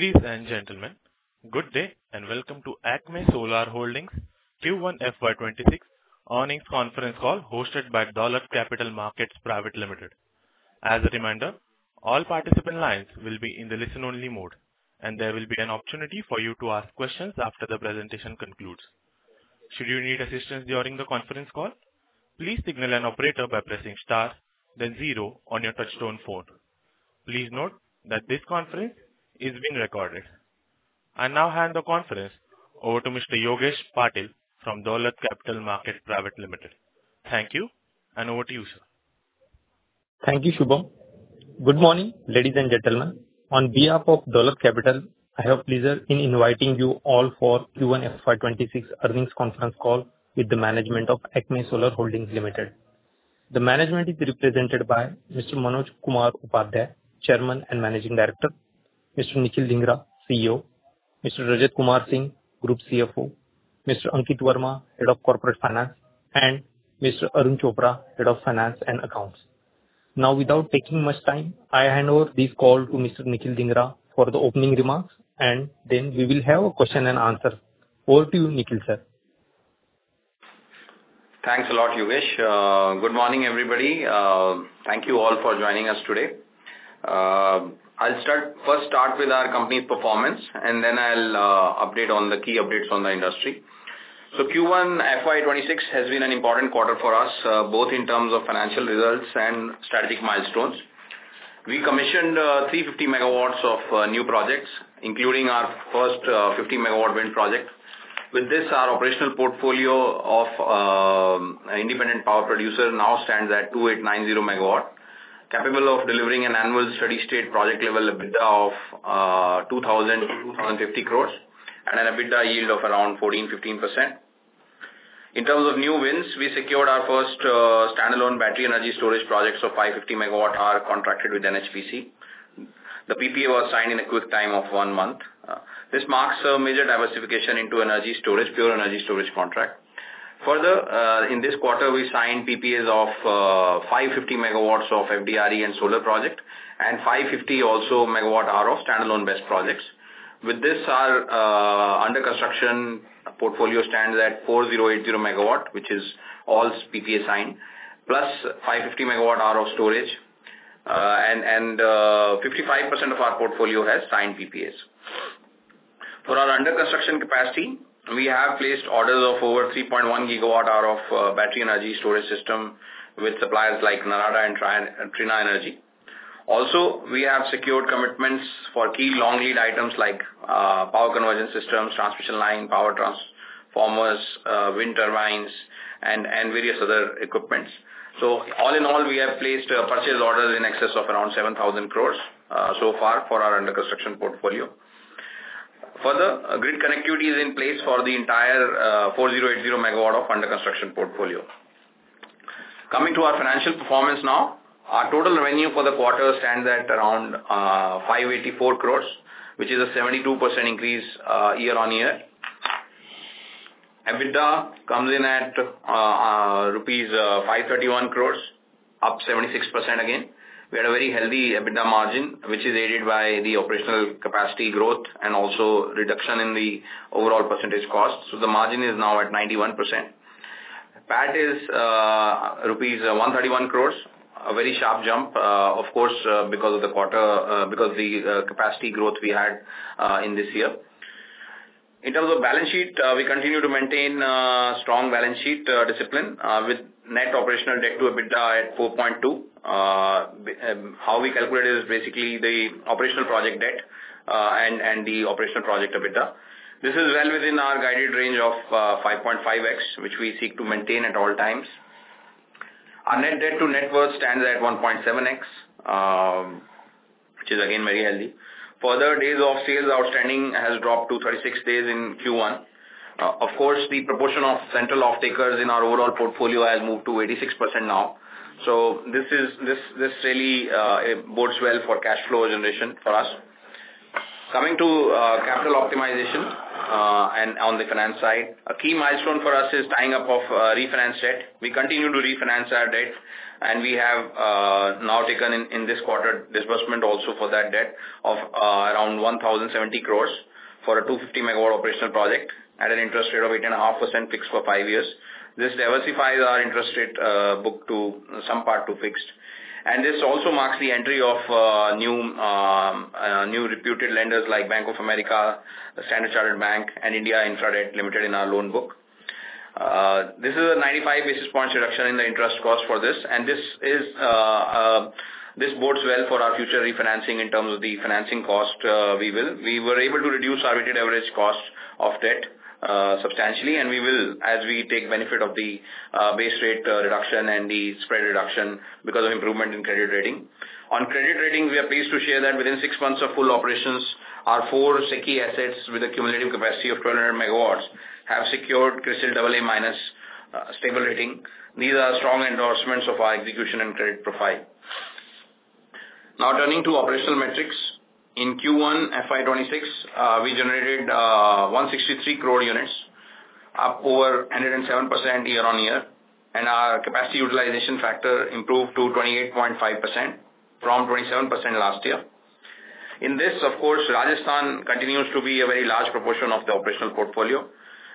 Ladies and gentlemen, good day and welcome to ACME Solar Holdings Limited Q1FY26 earnings conference call hosted by Daulat Capital Markets Private Limited. As a reminder, all participant lines will be in the listen-only mode and there will be an opportunity for you to ask questions after the presentation concludes. Should you need assistance during the conference call, please signal an operator by pressing star then zero on your touch-tone phone. Please note that this conference is being recorded. I now hand the conference over to Mr. Yogesh Patil from Daulat Capital Markets Private Limited. Thank you and over to you, sir. Thank you, Shubham. Good morning, ladies and gentlemen. On behalf of Daulat Capital Markets Private Limited, I have. Pleasure in inviting you all for Q1. FY26 earnings conference call with the management. Of ACME Solar Holdings Limited. The management is represented by Mr. Manoj Kumar Upadhya, Chairman and Managing Director, Mr. Nikhil Dhingra, CEO, Mr. Rajat Kumar Singh, Group CFO, Mr. Ankit Varma, Head of Corporate Finance, and Mr. Arun Chopra, Head. Of Finance and Accounts. Now, without taking much time, I hand. Over this call to Mr. Nikhil Dhingra. For the opening remarks, and then we. will have a question and answer. Over to you, Nikhil sir. Thanks a lot, Yogesh. Good morning, everybody. Thank you all for joining us today. I'll first start with our company's performance and then I'll update on the key updates on the industry. Q1FY26 has been an important quarter for us both in terms of financial results and strategic milestones. We commissioned 350 megawatts of new projects, including our first 50 megawatt wind project. With this, our operational portfolio of independent power producer now stands at 2,890 megawatts, capable of delivering an annual steady state project level EBITDA of 2,000 to 2,050 crore and an EBITDA yield of around 14-15%. In terms of new wins, we secured our first standalone battery energy storage projects of 550 megawatt-hour contracted with NHPC. The PPA was signed in a quick time of one month. This marks a major diversification into energy storage, pure energy storage contract. Further, in this quarter we signed PPAs of 550 megawatts of FDRE and solar project and 550 also megawatt-hour of standalone BESS projects. With this, our under construction portfolio stands at 4,080 megawatts, which is all PPA signed, plus 550 megawatt-hours of storage. 55% of our portfolio has signed PPAs for our under construction capacity. We have placed orders of over 3.1 gigawatt-hours of battery energy storage system with suppliers like Narada and Trina Energy. Also, we have secured commitments for key long lead items like power conversion systems, transmission line power transformers, wind turbines, and various other equipment. All in all, we have placed purchase orders in excess of around 7,000 crore so far for our under construction portfolio. Further, grid connectivity is in place for the entire 4,080 megawatts of under construction portfolio. Coming to our financial performance now, our total revenue for the quarter stands at around 584 crore, which is a 72% increase. Year on year, EBITDA comes in at rupees 531 crore, up 76%. We had a very healthy EBITDA margin, which is aided by the operational capacity growth and also reduction in the overall percentage cost. The margin is now at 91%. PAT is rupees 131 crore, a very sharp jump, of course, because of the quarter, because the capacity growth we had in this year. In terms of balance sheet, we continue to maintain strong balance sheet discipline with net operational debt to EBITDA at 4.2. How we calculate is basically the operational project debt and the operational project EBITDA. This is well within our guided range of 5.5x which we seek to maintain at all times. Our net debt to net worth stands at 1.7x, which is again very healthy. Further, days sales outstanding has dropped to 36 days in Q1. Of course, the proportion of central off takers in our overall portfolio has moved to 86% now. This really bodes well for cash flow generation for us. Coming to capital optimization and on the finance side, a key milestone for us is tying up of refinance debt. We continue to refinance our debt, and we have now taken in this quarter disbursement also for that debt of around 1,070 crore for a 250 MW operational project at an interest rate of 8.5% fixed for five years. This diversifies our interest rate book to some part to fixed. This also marks the entry of new reputed lenders like Bank of America, Standard Chartered Bank, and India Infrared Limited. In our loan book, this is a 95 basis point reduction in the interest cost for this, and this bodes well for our future refinancing. In terms of the financing cost, we were able to reduce our weighted average cost of debt substantially as we take benefit of the base rate reduction and the spread reduction because of improvement in credit rating on credit ratings. We are pleased to share that within six months of full operations, our four SECI assets with a cumulative capacity of 200 MW have secured CRISIL AA minus stable rating. These are strong endorsements of our execution and credit profile. Now turning to operational metrics, in Q1 FY2026 we generated 163 crore units, up over 107% year on year, and our capacity utilization factor improved to 28.5% from 27% last year. In this, of course, Rajasthan continues to be a very large proportion of the operational portfolio.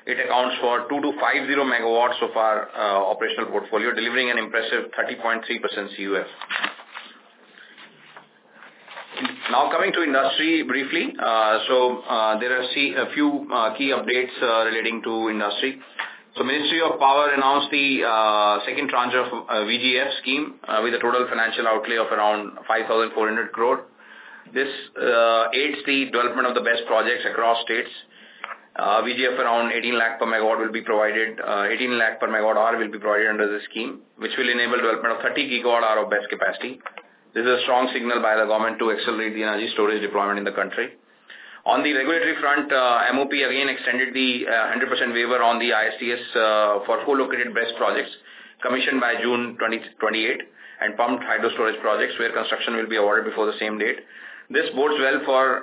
It accounts for 2,250 MW of our operational portfolio, delivering an impressive 30.3%. CUF. Now coming to industry briefly, there are a few key updates relating to industry. The Ministry of Power announced the second tranche of the VGF scheme with a total financial outlay of around 5,400 crore. This aids the development of the best projects across states. VGF around 1.8 million per megawatt will be provided, 1.8 million per megawatt-hour will be provided under the scheme, which will enable development of 30 GWh of batch capacity. This is a strong signal by the government to accelerate the energy storage deployment in the country. On the regulatory front, the Ministry of Power again extended the 100% waiver on the ISTS for co-located BESS projects commissioned by June 2028 and pumped hydro storage projects where construction will be awarded before the same date. This bodes well for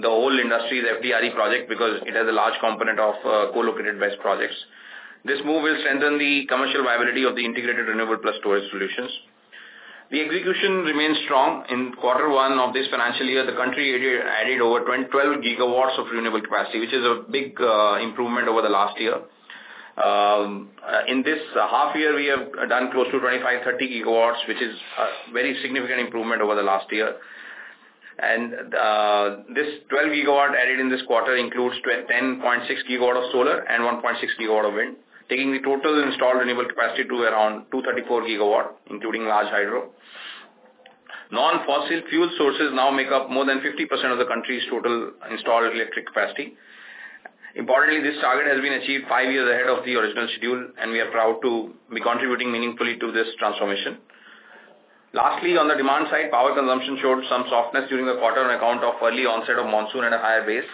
the whole industry, the FDRE project, because it has a large component of co-located BESS projects. This move will strengthen the commercial viability of the integrated renewable plus storage solutions. The execution remains strong. In quarter one of this financial year, the country added over 12 gigawatts of renewable capacity, which is a big improvement over last year. In this half year, we have done close to 25-30 gigawatts, which is a very significant improvement over last year. This 12 gigawatt added in this quarter includes 10.6 gigawatt of solar and 1.6 gigawatt of wind, taking the total installed renewable capacity to around 234 GW, including large hydro. Non-fossil fuel sources now make up more than 50% of the country's total installed electric capacity. Importantly, this target has been achieved five years ahead of the original schedule, and we are proud to be contributing meaningfully to this transformation. Lastly, on the demand side, power consumption showed some softness during the quarter on account of early onset of monsoon. At a higher base,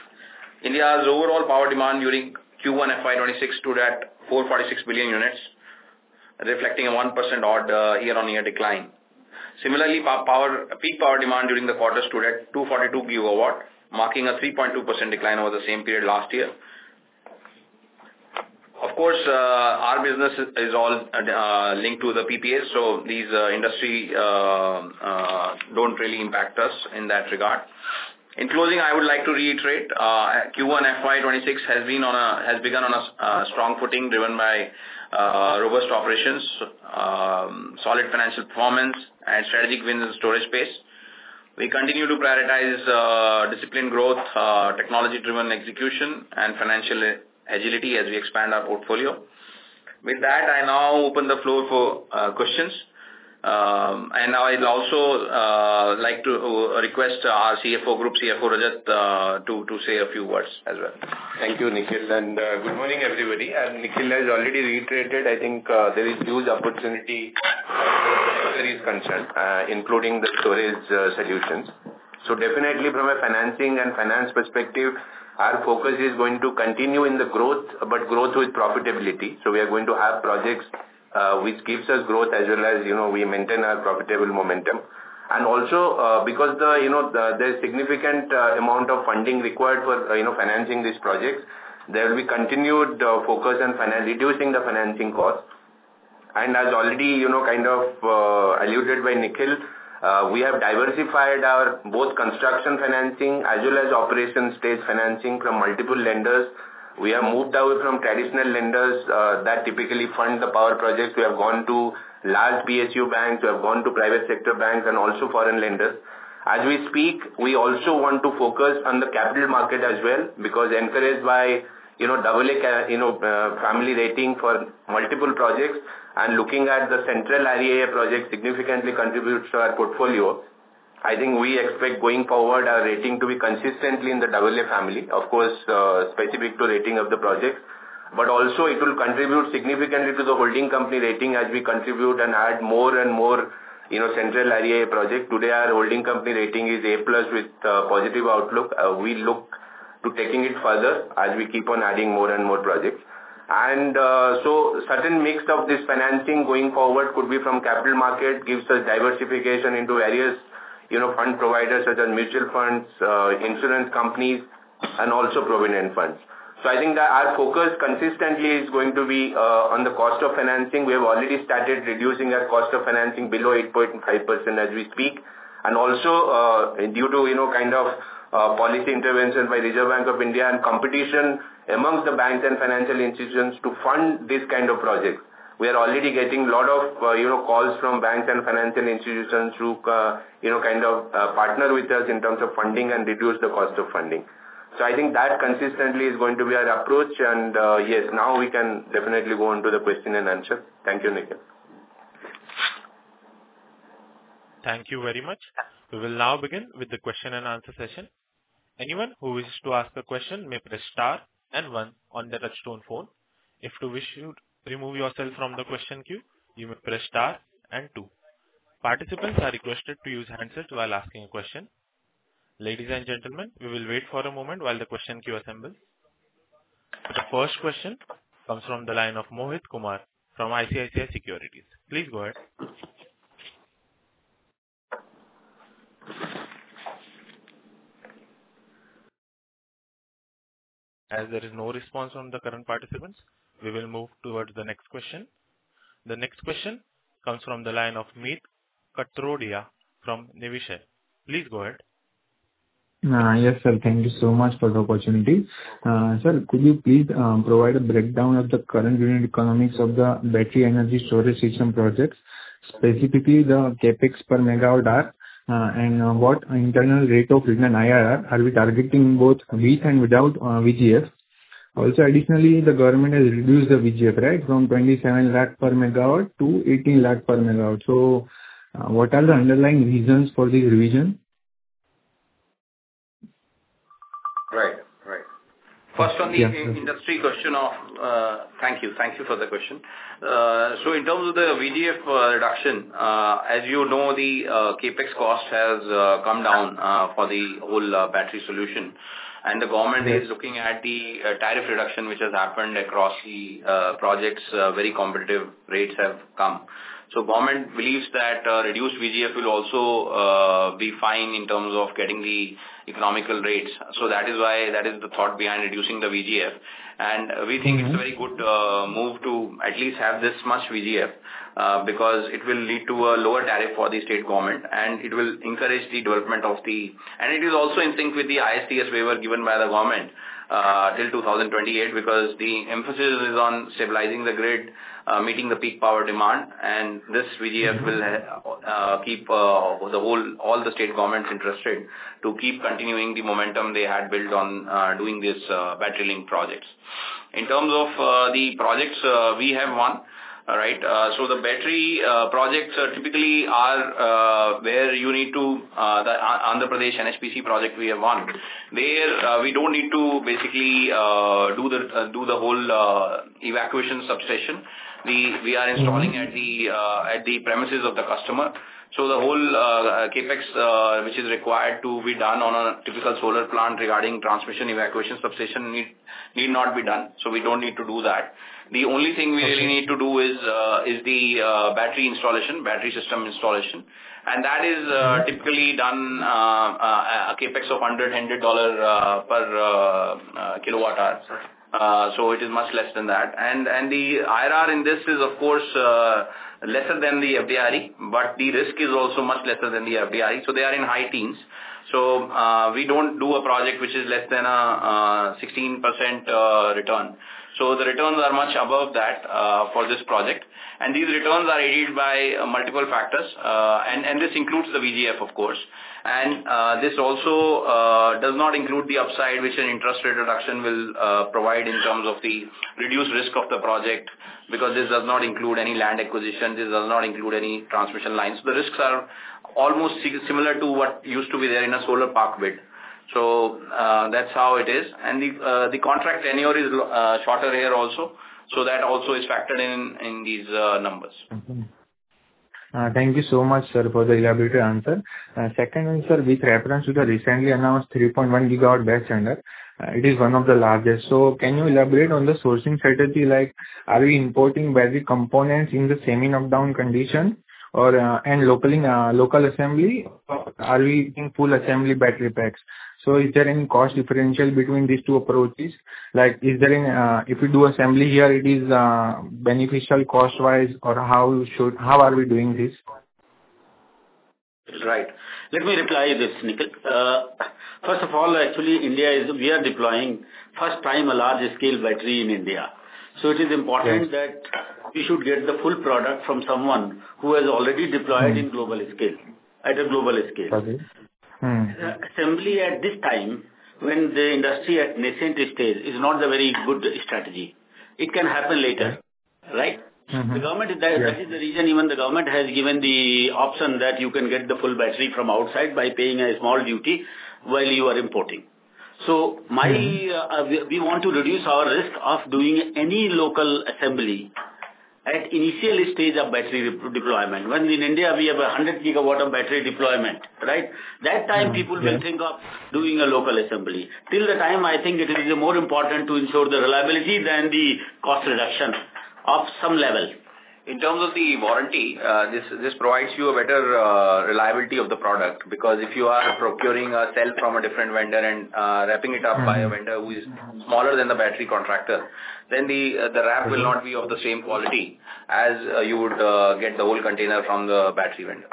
India's overall power demand during Q1 FY2026 stood at 446 billion units, reflecting a 1% odd year-on-year decline. Similarly, peak power demand during the quarter stood at 242 gigawatt, marking a 3.2% decline over the same period last year. Of course, our business is all linked to the PPAs, so these industry trends really impact us in that regard. In closing, I would like to reiterate Q1 FY2026 has begun on a strong footing, driven by robust operations, solid financial performance, and strategic wins in storage space. We continue to prioritize disciplined growth, technology-driven execution, and financial agility as we expand our portfolio. With that, I now open the floor for questions, and now I'd also like to request our Group CFO Rajat Kumar Singh to say a few words as well. Thank you, Nikhil, and good morning, everybody. Nikhil has already reiterated, I think there is huge opportunity including the storage solutions. Definitely, from a financing and finance perspective, our focus is going to continue in the growth, but growth with profitability. We are going to have projects which give us growth as well as we maintain our profitable momentum. Also, because there's significant amount of funding required for financing these projects, there will be continued focus on reducing the financing cost. As already kind of alluded by Nikhil, we have diversified our both construction financing as well as operations stage financing from multiple lenders. We have moved away from traditional lenders that typically fund the power projects. We have gone to large PSU banks, we have gone to private sector banks, and also foreign lenders. As we speak, we also want to. Focus on the capital market as well because encouraged by family rating for multiple projects and looking at the central REIA project significantly contributes to our portfolio. I think we expect going forward our rating to be consistently in the AA family. Of course, specific to rating of the projects but also it will contribute significantly to the holding company rating as we contribute and add more and more. Central REI Project. Today our holding company rating is A+ with positive outlook. We look to taking it further as we keep on adding more and more projects, and a certain mix of this financing going forward could be from capital market, gives us diversification into various fund providers such as mutual funds, insurance companies, and also provident funds. I think that our focus consistently is going to be on the cost of financing. We have already started reducing our cost of financing below 8.5% as we speak and also due to kind of policy intervention by Reserve Bank of India and competition amongst the banks and financial institutions to fund this kind of project. We are already getting a lot of calls from banks and financial institutions to, you know, kind of partner with us in terms of funding and reduce the cost of funding. I think that consistently is going to be our approach. Yes, now we can definitely go on to the question and answer. Thank you, Nikhil. Thank you very much. We will now begin with the question and answer session. Anyone who wishes to ask a question may press star and one on the Touchstone phone. If you wish to remove yourself from the question queue, you may press star and two. Participants are requested to use handsets while asking a question. Ladies and gentlemen, we will wait for a moment while the question queue assembles. The first question comes from the line of Mohit Kumar from ICICI Securities. Please go ahead. As there is no response from the current participants, we will move towards the next question. The next question comes from the line of Meet Katrodia from Navisha. Please go ahead. Yes sir. Thank you so much for the opportunity. Sir, could you please provide a breakdown of the current unit economics of the battery energy storage system projects? Specifically the CapEx per megawatt and what internal rate of return IRR are we targeting both with and without VGF? Also, additionally, the government has reduced the VGF right from 2.7 million per megawatt to 1.8 million per megawatt. What are the underlying reasons for this revision? Right, right. First on the industry question. Thank you. Thank you for the question. In terms of the VGF reduction, as you know the CapEx cost has come down for the battery solution and the government is looking at the tariff reduction which has happened across the projects. Very competitive rates have come. The government believes that reduced VGF will also be fine in terms of getting the economical rates. That is the thought behind reducing the VGF. We think it's a very good move to at least have this much VGF because it will lead to a lower tariff for the state government and it will encourage the development of the projects. It is also in sync with the ISTS waiver given by the government till 2028 because the emphasis is on stabilizing the grid, meeting the peak power demand, and this VGF will keep all the state governments interested to keep continuing the momentum they had built on doing these battery-linked projects. In terms of the projects we have won, the battery projects typically are where you need to. The Andhra Pradesh NHPC project, we have won there. We don't need to basically do the whole evacuation substation. We are installing at the premises of the customer. The whole CapEx which is required to be done on a typical solar plant regarding transmission evacuation substation need not be done. We don't need to do that. The only thing we really need to do is the battery installation, battery system installation, and that is typically done at a CapEx of $100 per kilowatt hour. It is much less than that. The IRR in this is of course lesser than the FDRE, but the risk is also much lesser than the FDRE. They are in high teens. We don't do a project which is less than a 16% return. The returns are much above that for this project. These returns are aided by multiple factors. This includes the VGF of course. This also does not include the upside which an interest rate reduction will provide in terms of the reduced risk of the project because this does not include any land acquisition. This does not include any transmission lines. The risks are almost similar to what used to be there in a solar park bid. That's how it is. The contract tenure is shorter here also. That also is factored in these numbers. Thank you so much sir for the elaborate answer. Second answer with reference to the recently announced 3.1 GW batch standard. It is one of the largest. Can you elaborate on the sourcing strategy? Are we importing battery components in the semi knockdown condition or locally assembling? Are we in full assembly battery packs? Is there any cost differential between these two approaches? If you do assembly here, is it beneficial cost wise or how should you do it? How are we doing this? Right. Let me reply to this, Nikhil. First of all, actually, India is deploying for the first time a large-scale battery in India. It is important that we should get the full product from someone who has already deployed at a global scale. At a global scale, assembly at this time when the industry is at a nascent stage is not a very good strategy. It can happen later. Right. The government. That is the reason even the government has given the option that you can get the full battery from outside by paying a small duty while you are importing. We want to reduce our risk of doing any local assembly at initial stage of battery deployment. When in India we have a 100 gigawatt of battery deployment, at that time people will think of doing a local assembly. Till the time, I think it is more important to ensure the reliability than the. Cost reduction of some level. In terms of the warranty, this provides you a better reliability of the product. Because if you are procuring a cell from a different vendor and wrapping it up by a vendor who is smaller than the battery contractor, then the wrap will not be of the same quality as you would get the whole container from the battery vendor.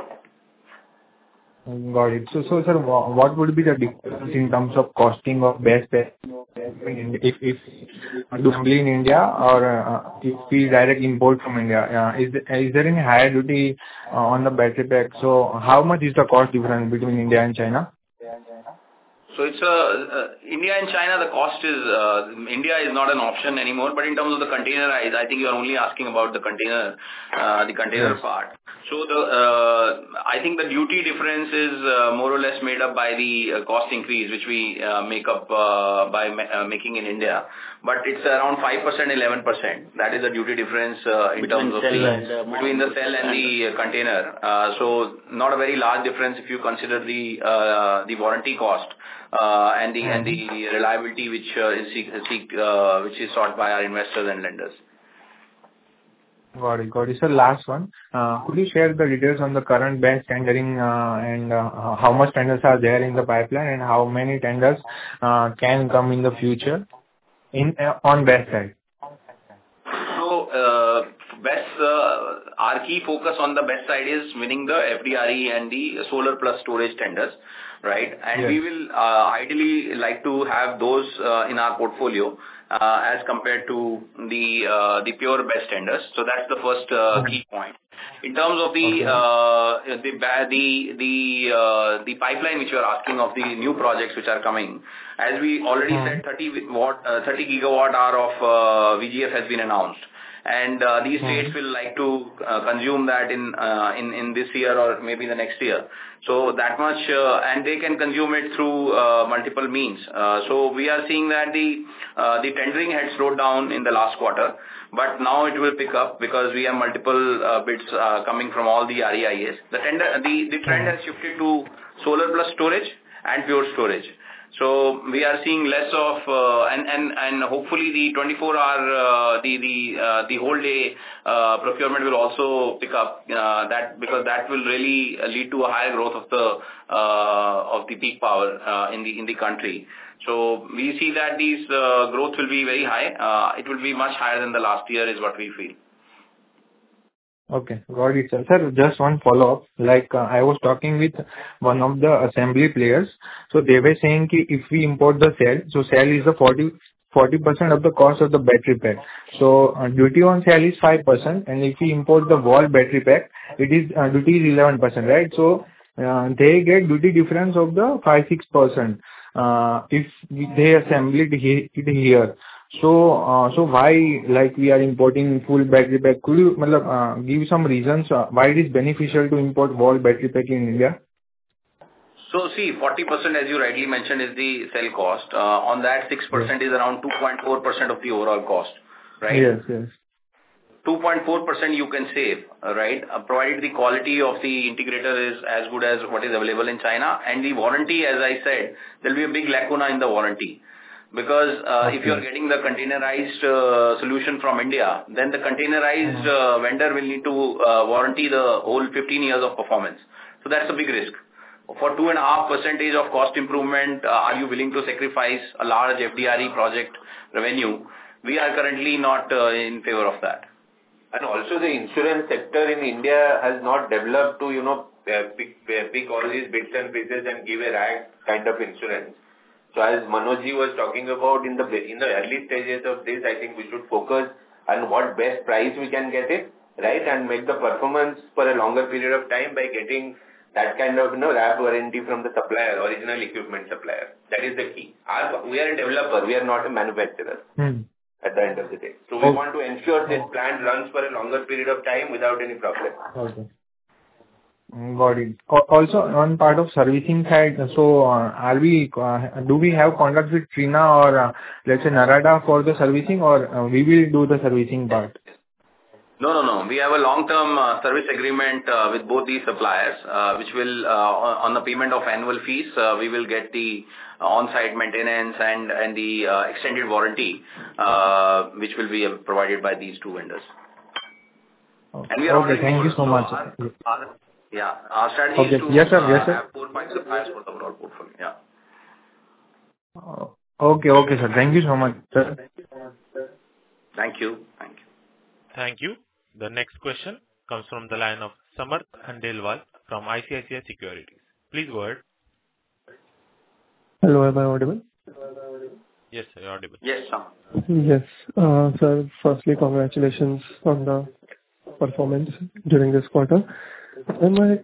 Got it. Sir, what would be the difference in terms of costing of BESS? In. India or feed direct import from India? Is there any higher duty on the battery pack? How much is the cost difference between India and China? It's India and China. The cost is India is not an option anymore. In terms of the containerized, I think you are only asking about the container, the container part. I think the duty difference is more or less made up by the cost increase which we make up by making in India. It's around 5%, 11% that is the duty difference in terms of sales between the cell and the container. Not a very large difference if you consider the warranty cost and the reliability which is sought by our investors and lenders. Last one, could you share the details on the current BESS tendering and how much tenders are there in the pipeline and how many tenders can come in the future on BESS side. Our key focus on the BESS side is winning the FDRE and the solar plus storage tenders. We will ideally like to have those in our portfolio as compared to the pure BESS tenders. That's the first key point in. terms of the pipeline which you are asking of the new projects which are coming, as we already said, 30 GWh of VGF has been announced and these states will like to consume that in this year or maybe the next year. That much and they can consume it through multiple means. We are seeing that the tendering had slowed down in the last quarter, but now it will pick up because we have multiple bids coming from all the REIs. The trend has shifted to solar plus storage and pure storage. We are seeing less of and hopefully the 24 hour, the whole day procurement will also pick up because that will really lead to a higher growth of the peak power in the country. We see that these growth will be very high. It will be much higher than the last year is what we feel. Okay, got it. Just one follow up. Like I was talking with one of the assembly players. They were saying if we import the cell, cell is 40% of the cost of the battery pack. Duty on cell is 5% and if we import the whole battery pack, duty is 11%, right? They get duty difference of 5, 6% if they assemble it here. Why are we importing full battery pack? Could you give some reasons why it is beneficial to import whole battery pack in India? See 40, as you rightly mentioned, is the cell cost. On that, 6% is around 2.4% of the overall cost, right? Yes. Yes. 2.4% you can save, right? Provided the quality of the integrator is as good as what is available in China. As I said, there'll be a big. Lacuna in the warranty. Because if you're getting the containerized solution from India, then the containerized vendor will need to warranty the whole 15 years of performance. That's a big risk for 2.5% of cost improvement. Are you willing to sacrifice a large FDRE project revenue? We are currently not in favor of that. The insurance sector in India has not developed to pick all these bits and pieces and give a wrap kind of insurance. As Manoj Kumar Upadhya was talking about in the early stages of this, I think we should focus on what best price we can get it right and make the performance for a longer period of time by getting that kind of wrap warranty from the supplier, original equipment supplier. That is the key. We are a developer, we are not. A manufacturer at the end of the day. We want to ensure this plant runs for a longer period of time without any problem. Got it. Also, on part of servicing side, do we have contacts with Trina or let's say Narada for the servicing, or will we do the servicing part? We have a long term service agreement with both these suppliers. On the payment of annual fees, we will get the on site maintenance and the extended warranty which will be provided by these two vendors. Okay, thank you so much. Yeah. Yes sir. Yes, sir. Portfolio. Yeah. Okay. Okay, sir. Thank you so much, sir. Thank you so much. Thank you. Thank you. Thank you. The next question comes from the line of Samar Andal from ICICI Securities. Please go ahead. Hello. Yes. Yes, sir. Firstly, congratulations on the performance during this quarter. My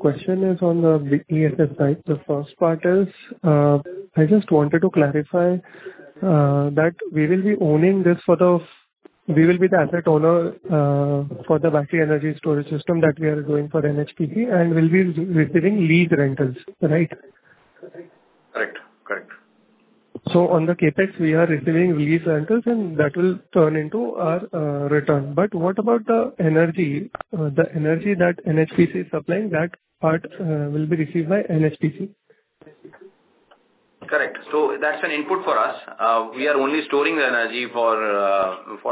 question is on the ESS side. The first part is I just wanted to clarify that we will be owning this for the, we will be the asset owner for the battery energy storage system that we are doing for NHPC and we'll be receiving lease rentals, right? Correct. Correct. On the CapEx we are receiving lease rentals and that will turn into our return. What about the energy, the energy that NHPC is supplying, that part will be received by NHPC. Correct. That's an input for us. We are only storing the energy for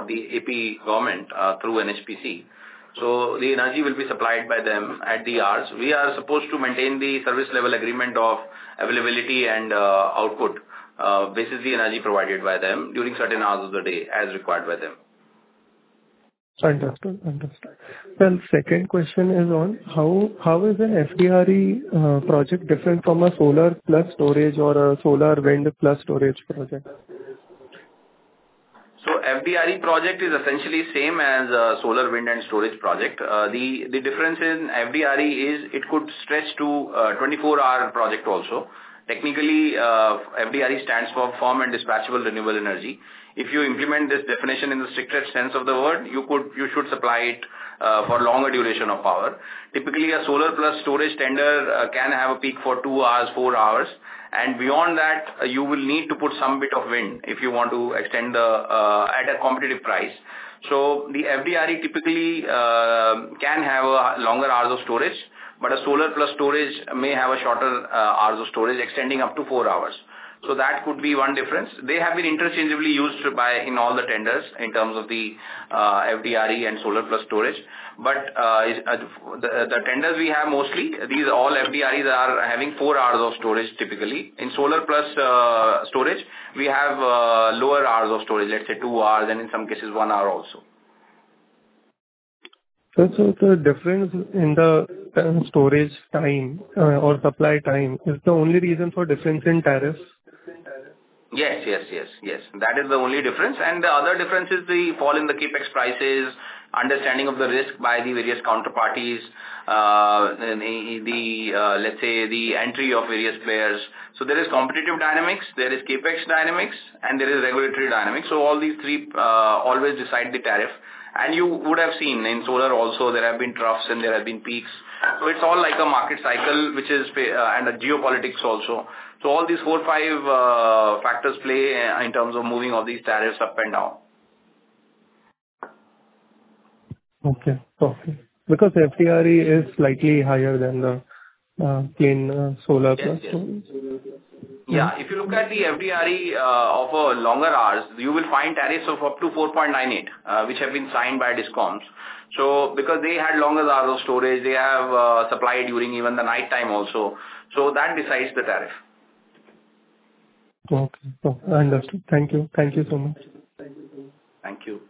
the AP government through NHPC. The energy will be supplied by them at the hours we are supposed to maintain the service level agreement of availability and output. Basically, energy provided by them during certain hours of the day as required by them. Understood? Understood. Second question is on how, how is an FDRE project different from a solar plus storage or a solar wind plus storage project? FDRE project is essentially same as solar wind and storage project. The difference in FDRE is it could stretch to 24 hour project. Also, technically, FDRE stands for firm and dispatchable renewable energy. If you implement this definition in the strictest sense of the word, you should supply it for longer duration of power. Typically, a solar plus storage tender can have a peak for 2 hours, 4 hours, and beyond that you will need to put some bit of wind if you want to extend the at a competitive price. The FDRE typically can have longer hours of storage, but a solar plus storage may have a shorter hours of storage extending up to 4 hours. That could be one difference. They have been interchangeably used in all the tenders in terms of the FDRE and solar plus storage. The tenders we have, mostly these all FDREs are having 4 hours of storage. Typically, in solar plus storage we have lower hours of storage, let's say 2 hours and in some cases 1 hour also. The difference in the storage time or supply time is the only reason for difference in tariffs. Yes, that is the only difference. The other difference is the fall in the CapEx prices, understanding of the risk by the various counterparties, the entry of various players. There is competitive dynamics, there is CapEx dynamics, and there is regulatory dynamics. All these three always decide the tariff. You would have seen in solar also there have been troughs and there have been peaks. It is all like a market cycle which is under geopolitics also. All these four or five factors play in terms of moving all these tariffs up and down. Okay. Because FDRE is slightly higher than the clean solar. Yeah. If you look at the FDRE of a longer hours, you will find tariffs of up to 4.98 which have been signed by discoms. Because they had longer hours of storage, they have supply during even the night time also. That decides the tariff. Thank you. Thank you so much. Thank you.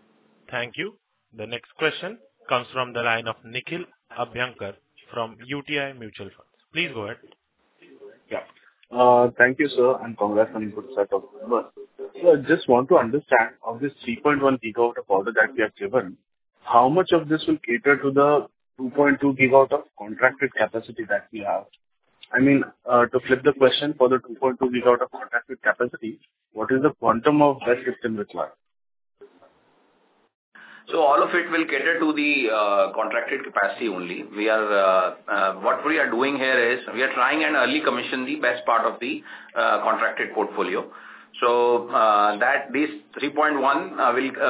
Thank you. The next question comes from the line of Nikhil Abyankar from UTI Mutual Funds. Please go ahead. Yeah, thank you, sir. Good setup. Just want to understand of this 3.1 gigawatt of order that we have given, how much of this will cater to the 2.2 gigawatt of contracted capacity that we have. I mean, to flip the question, for the 2.2 gigawatt of contracted capacity, what is the quantum of that kept in with life? All of it will cater to the contracted capacity only. What we are doing here is we are trying to early commission the best part of the contracted portfolio so that this 3.1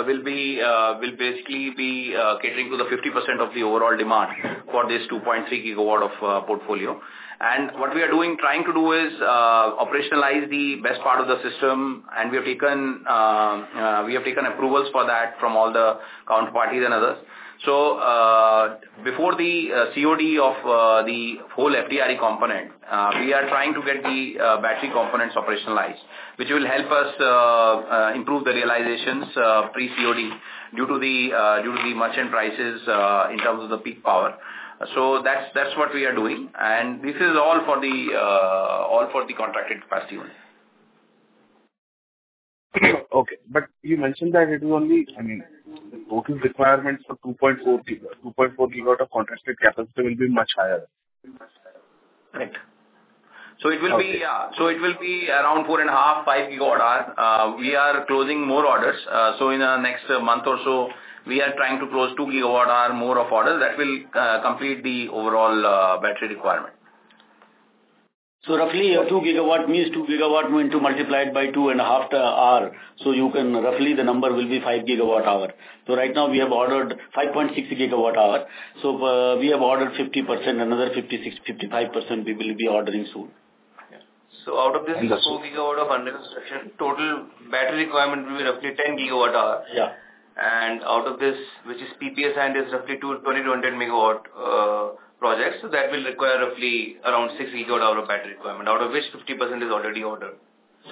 will basically be catering to 50% of the overall demand for this 2.3 gigawatt portfolio. What we are trying to do is operationalize the best part of the system. We have taken approvals for that from all the counterparties and others. Before the COD of the whole FDRE component, we are trying to get the battery components operationalized, which will help us improve the realizations pre-COD due to the merchant prices in terms of the peak power. That's what we are doing. This is all for the contracted capacity one. Okay, you mentioned that it is. Only, I mean total requirements for 2.4. 2.4 gigawatt of contracted capacity will be much higher. Right? It will be around 4.5 to 5 gigawatt-hours. We are closing more orders. In the next month or so, we are trying to close 2 gigawatt-hours more of order that will complete the overall battery requirement. Roughly 2 gigawatt means 2 gigawatt going to be multiplied by 2 and a half hour. You can roughly, the number will be 5 gigawatt-hour. Right now we have ordered 5.6 gigawatt-hour. We have ordered 50%. Another 56, 55% we will be ordering soon. Out of this 4 gigawatt of under construction, total battery requirement will be roughly 10 gigawatt hours. Out of this, which is PPAs, and is roughly 2,200 megawatts projects, that will require roughly around 6 gigawatt hours of battery requirement, out of which 50% is already ordered.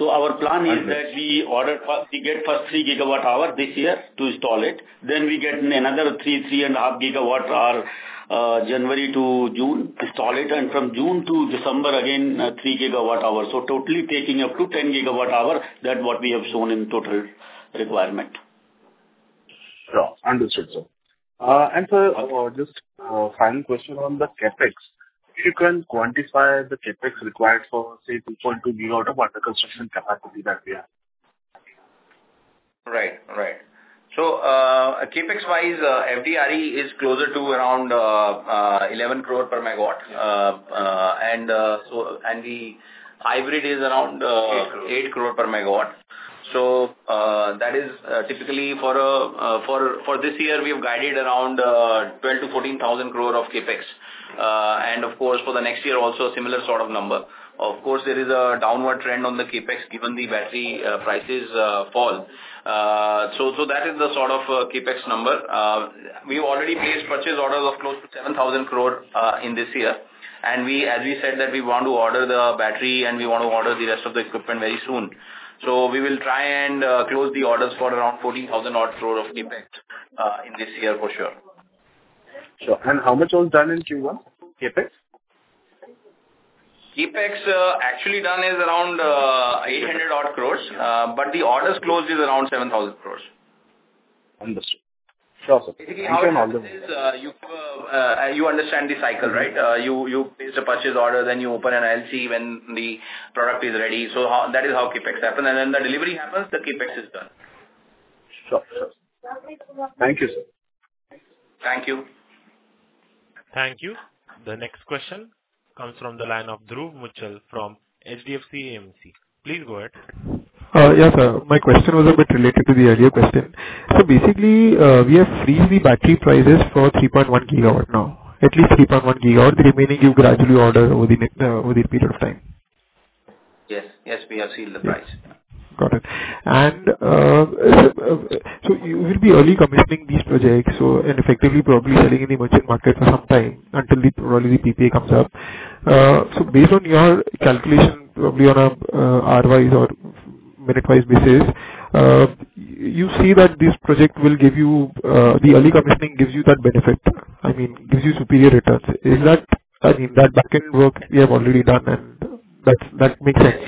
Our plan is that we order, we get first 3 gigawatt-hours this year to install it, then we get another 3, 3.5 gigawatt-hours January to June, install it, and from June to December again 3 gigawatt-hours, so totally taking up to 10 gigawatt-hours, that's what we have shown in total requirement. Understood, sir. Just a final question on the CapEx: if you can quantify the CapEx required for, say, 2.2 new automotive construction capacity that we have. Right, right. CapEx wise, FDRE is closer to around 11 crore per megawatt and the hybrid is around 8 crore per megawatt. That is typically for this year; we have guided around 12,000 to 14,000 crore of CapEx, and for the next year also a similar sort of number. There is a downward trend on the CapEx given the battery prices fall. That is the sort of CapEx number. We already placed purchase orders of close to 7,000 crore this year, and as we said, we want to order the battery and we want to order the rest of the equipment very soon. We will try and close the orders for around 14,000 crore. CapEx in this year for sure. How much was done in Q1 CapEx? CapEx actually done is around 800 crore, but the orders closed is around 7,000 crore. Understood. You understand the cycle, right? You place a purchase order, then you open an LC when the product is ready. That is how CapEx happens, and then the CapEx is done. Thank you, sir. Thank you. Thank you. The next question comes from the line of Dhruv Muchal from HDFC AMC. Please go ahead. Yes, my question was a bit related to the earlier question. Basically, we have freeze the battery prices for 3.1 gigawatt now, at least 3.1 gigawatt. The remaining you gradually order over the period of time. Yes, yes, we have sealed the price. Got it. You will be early commissioning these projects and effectively probably selling in the merchant market for some time until the PPA comes up. Based on your calculation, probably on a R wise or minute wise basis, you see that this project will give you the early commissioning, gives you that benefit, I mean gives you superior returns. Is that, I mean, that back end. Work we have already done. That makes sense,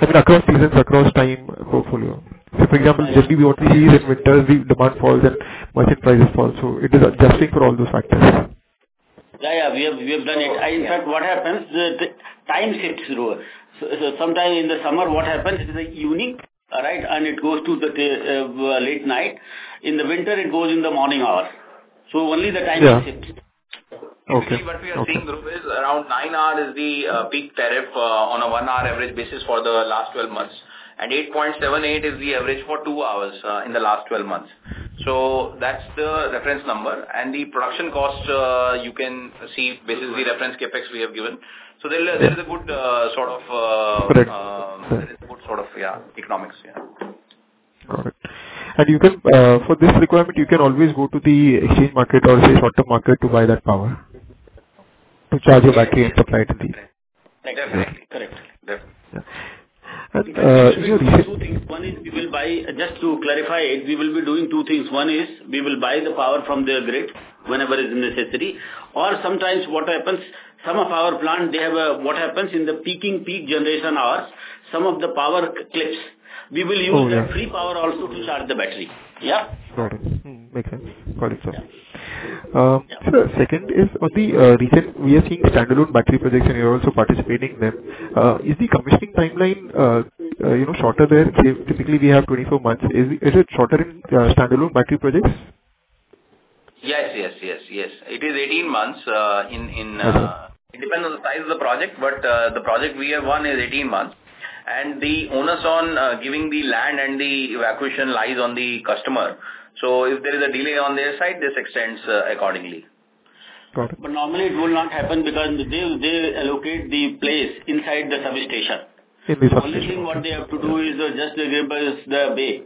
I mean across. Seasons, across time portfolio. For example, generally we only see that in winter the demand falls and merchant prices fall. It is adjusting for all those factors. Yeah, we have done it. In fact, what happens is time shifts lower sometime in the summer. What happens is the evening and it goes to the late night. In the winter it goes in the morning hours. Only the time, what we are seeing is around nine hours is the peak tariff on a one hour average basis for the last 12 months, and 8.78 is the average for two hours in the last 12 months. That's the reference number and the production cost. You can see basically reference CapEx we have given. There is a good sort of economics. For this requirement, you can always go to the exchange market or say short term. Market to buy that power to charge your battery and supply it in the year. Just to clarify it, we will be doing two things. One is we will buy the power from their grid whenever is necessary or sometimes. What happens, some of our plant, they have a. What happens in the peak generation hours? Some of the power clips, we will use free power also to charge the battery. Yeah. Second is on the recent we are seeing standalone battery projects and you're also participating in them. Is the commissioning timeline shorter there? Typically we have 24 months. Is it shorter in standalone battery projects? Yes, it is 18 months in. It depends on the size of the project. The project we have won is 18 months, and the onus on giving the land and the evacuation lies on the customer. If there is a delay on their side, this extends accordingly. Normally it will not happen because they allocate the place inside the service station. What they have to do is just the bay,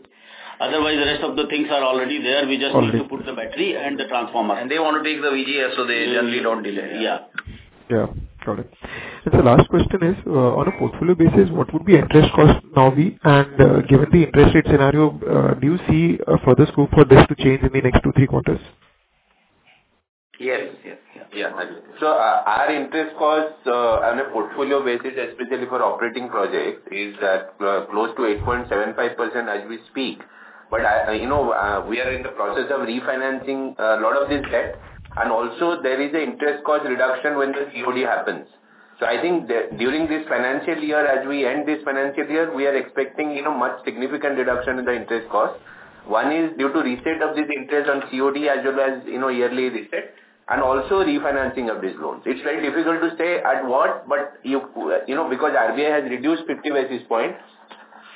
otherwise the rest of the things are already there. We just need to put the battery. The transformer and they want to take the VGF so they generally don't delay. Yeah, got it. On a portfolio basis, what would the interest cost now be, and given the interest rate scenario, do you see a further scope for this to change in the next two or three quarters? Yes, yeah. Our interest cost on a portfolio basis, especially for operating projects, is at close to 8.75% as we speak. We are in the process of. Refinancing a lot of this debt. Also, there is an interest cost reduction when the COD happens. I think during this financial year, as we end this financial year, we are expecting much significant reduction in the interest cost. One is due to reset of this interest on COD as well as yearly reset and also refinancing of these loans. It's very difficult to say at what, but because RBI has reduced 50 basis points,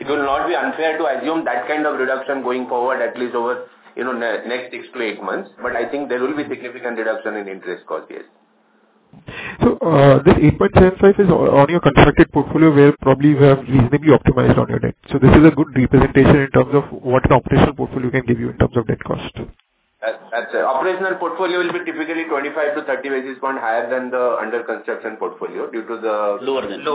it will not be unfair to assume that kind of reduction going forward, at least over next six to eight months. I think there will be significant reduction in interest cost. Yes. This 8.75 is on your contracted portfolio where probably you have reasonably optimized on your debt. This is a good representation in terms of what the operational portfolio can give you in terms of debt cost. Operational portfolio will be typically 25 to 30 basis points higher than the under construction portfolio due to the lower than the.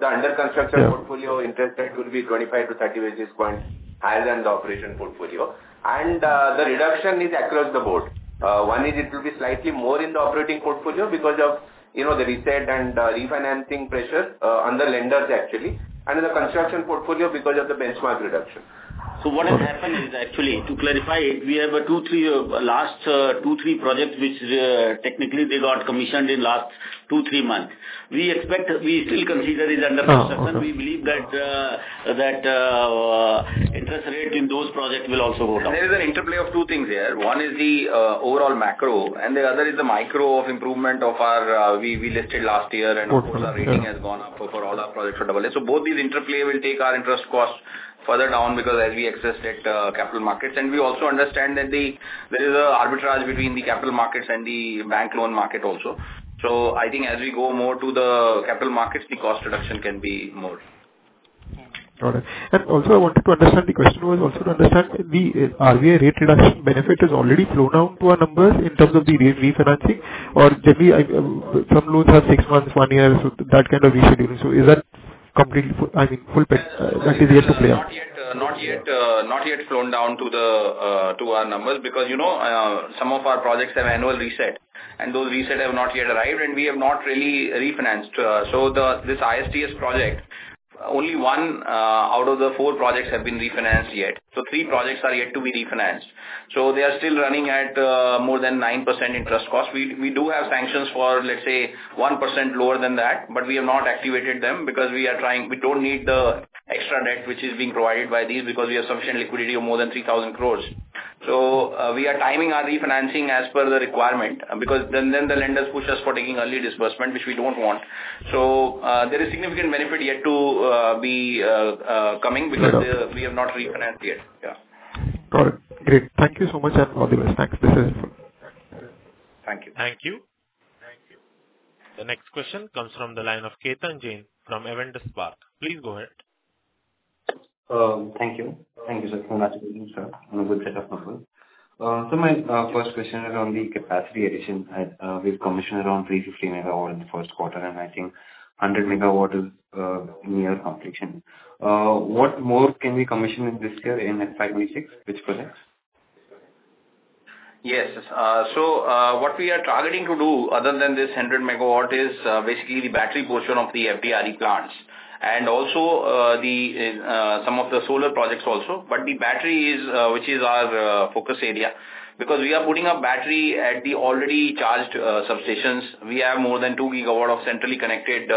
The under construction portfolio interest rate will be 25 to 30 basis points higher than the operational portfolio. The reduction is across the board. One is it will be slightly more in the operating portfolio because of, you know, the reset and refinancing pressure on the lenders actually, and in the construction portfolio because of the benchmark reduction. To clarify, we have a two, three, last two, three project which technically they got commissioned in the last two, three months. We expect, we still consider it under construction. We believe that that interest rate in those projects will also go down. There is an interplay of two things here. One is the overall macro and the other is the micro of improvement of our. We listed last year and rating has gone up for all our projects. Both these interplay will take our interest costs further down because as we exist at capital markets and we also understand that there is an arbitrage between the capital markets and the bank loan market also. I think as we go more to the capital markets the cost reduction can be more. I wanted to understand. The question was also to understand. RVA rate reduction benefit is already flown out to our numbers in terms of the refinancing or generally some loans have six months, one year, so that kind of reschedule. Is that completely, I mean, full paid? That is yet to play, not yet flown down to our numbers because some of our projects have annual reset and those reset have not yet arrived and we have not really refinanced. This ISTS project, only one out of the four projects has been refinanced yet. Three projects are yet to be refinanced. They are still running at more than 9% interest cost. We do have sanctions for let's say 1% lower than that, but we have not activated them because we are trying. We don't need the extra debt which is being provided by these because we have sufficient liquidity of more than 3,000 crore. We are timing our refinancing as per the requirement because the lenders push us for taking early disbursement, which we don't want. There is significant benefit yet to be coming because we have not refinanced yet. Yeah, got it. Great. Thank you so much and all the best. Thanks. This is. Thank you. Thank you. Thank you. The next question comes from the line of Ketan Jain from Event Spark. Please go ahead. Thank you. Thank you, sir. On a good set of numbers. My first question is around the capacity addition. We've commissioned around 350 MW in the first quarter, and I think 100 MW is near completion. What more can we commission this year in FY 2026, which projects? Yes. What we are targeting to do other than this 100 MW is basically the battery portion of the FDRE plants and also some of the solar projects also. The batteries, which is our focus area, because we are putting a battery at the already charged substations. We have more than 2 GW of centrally connected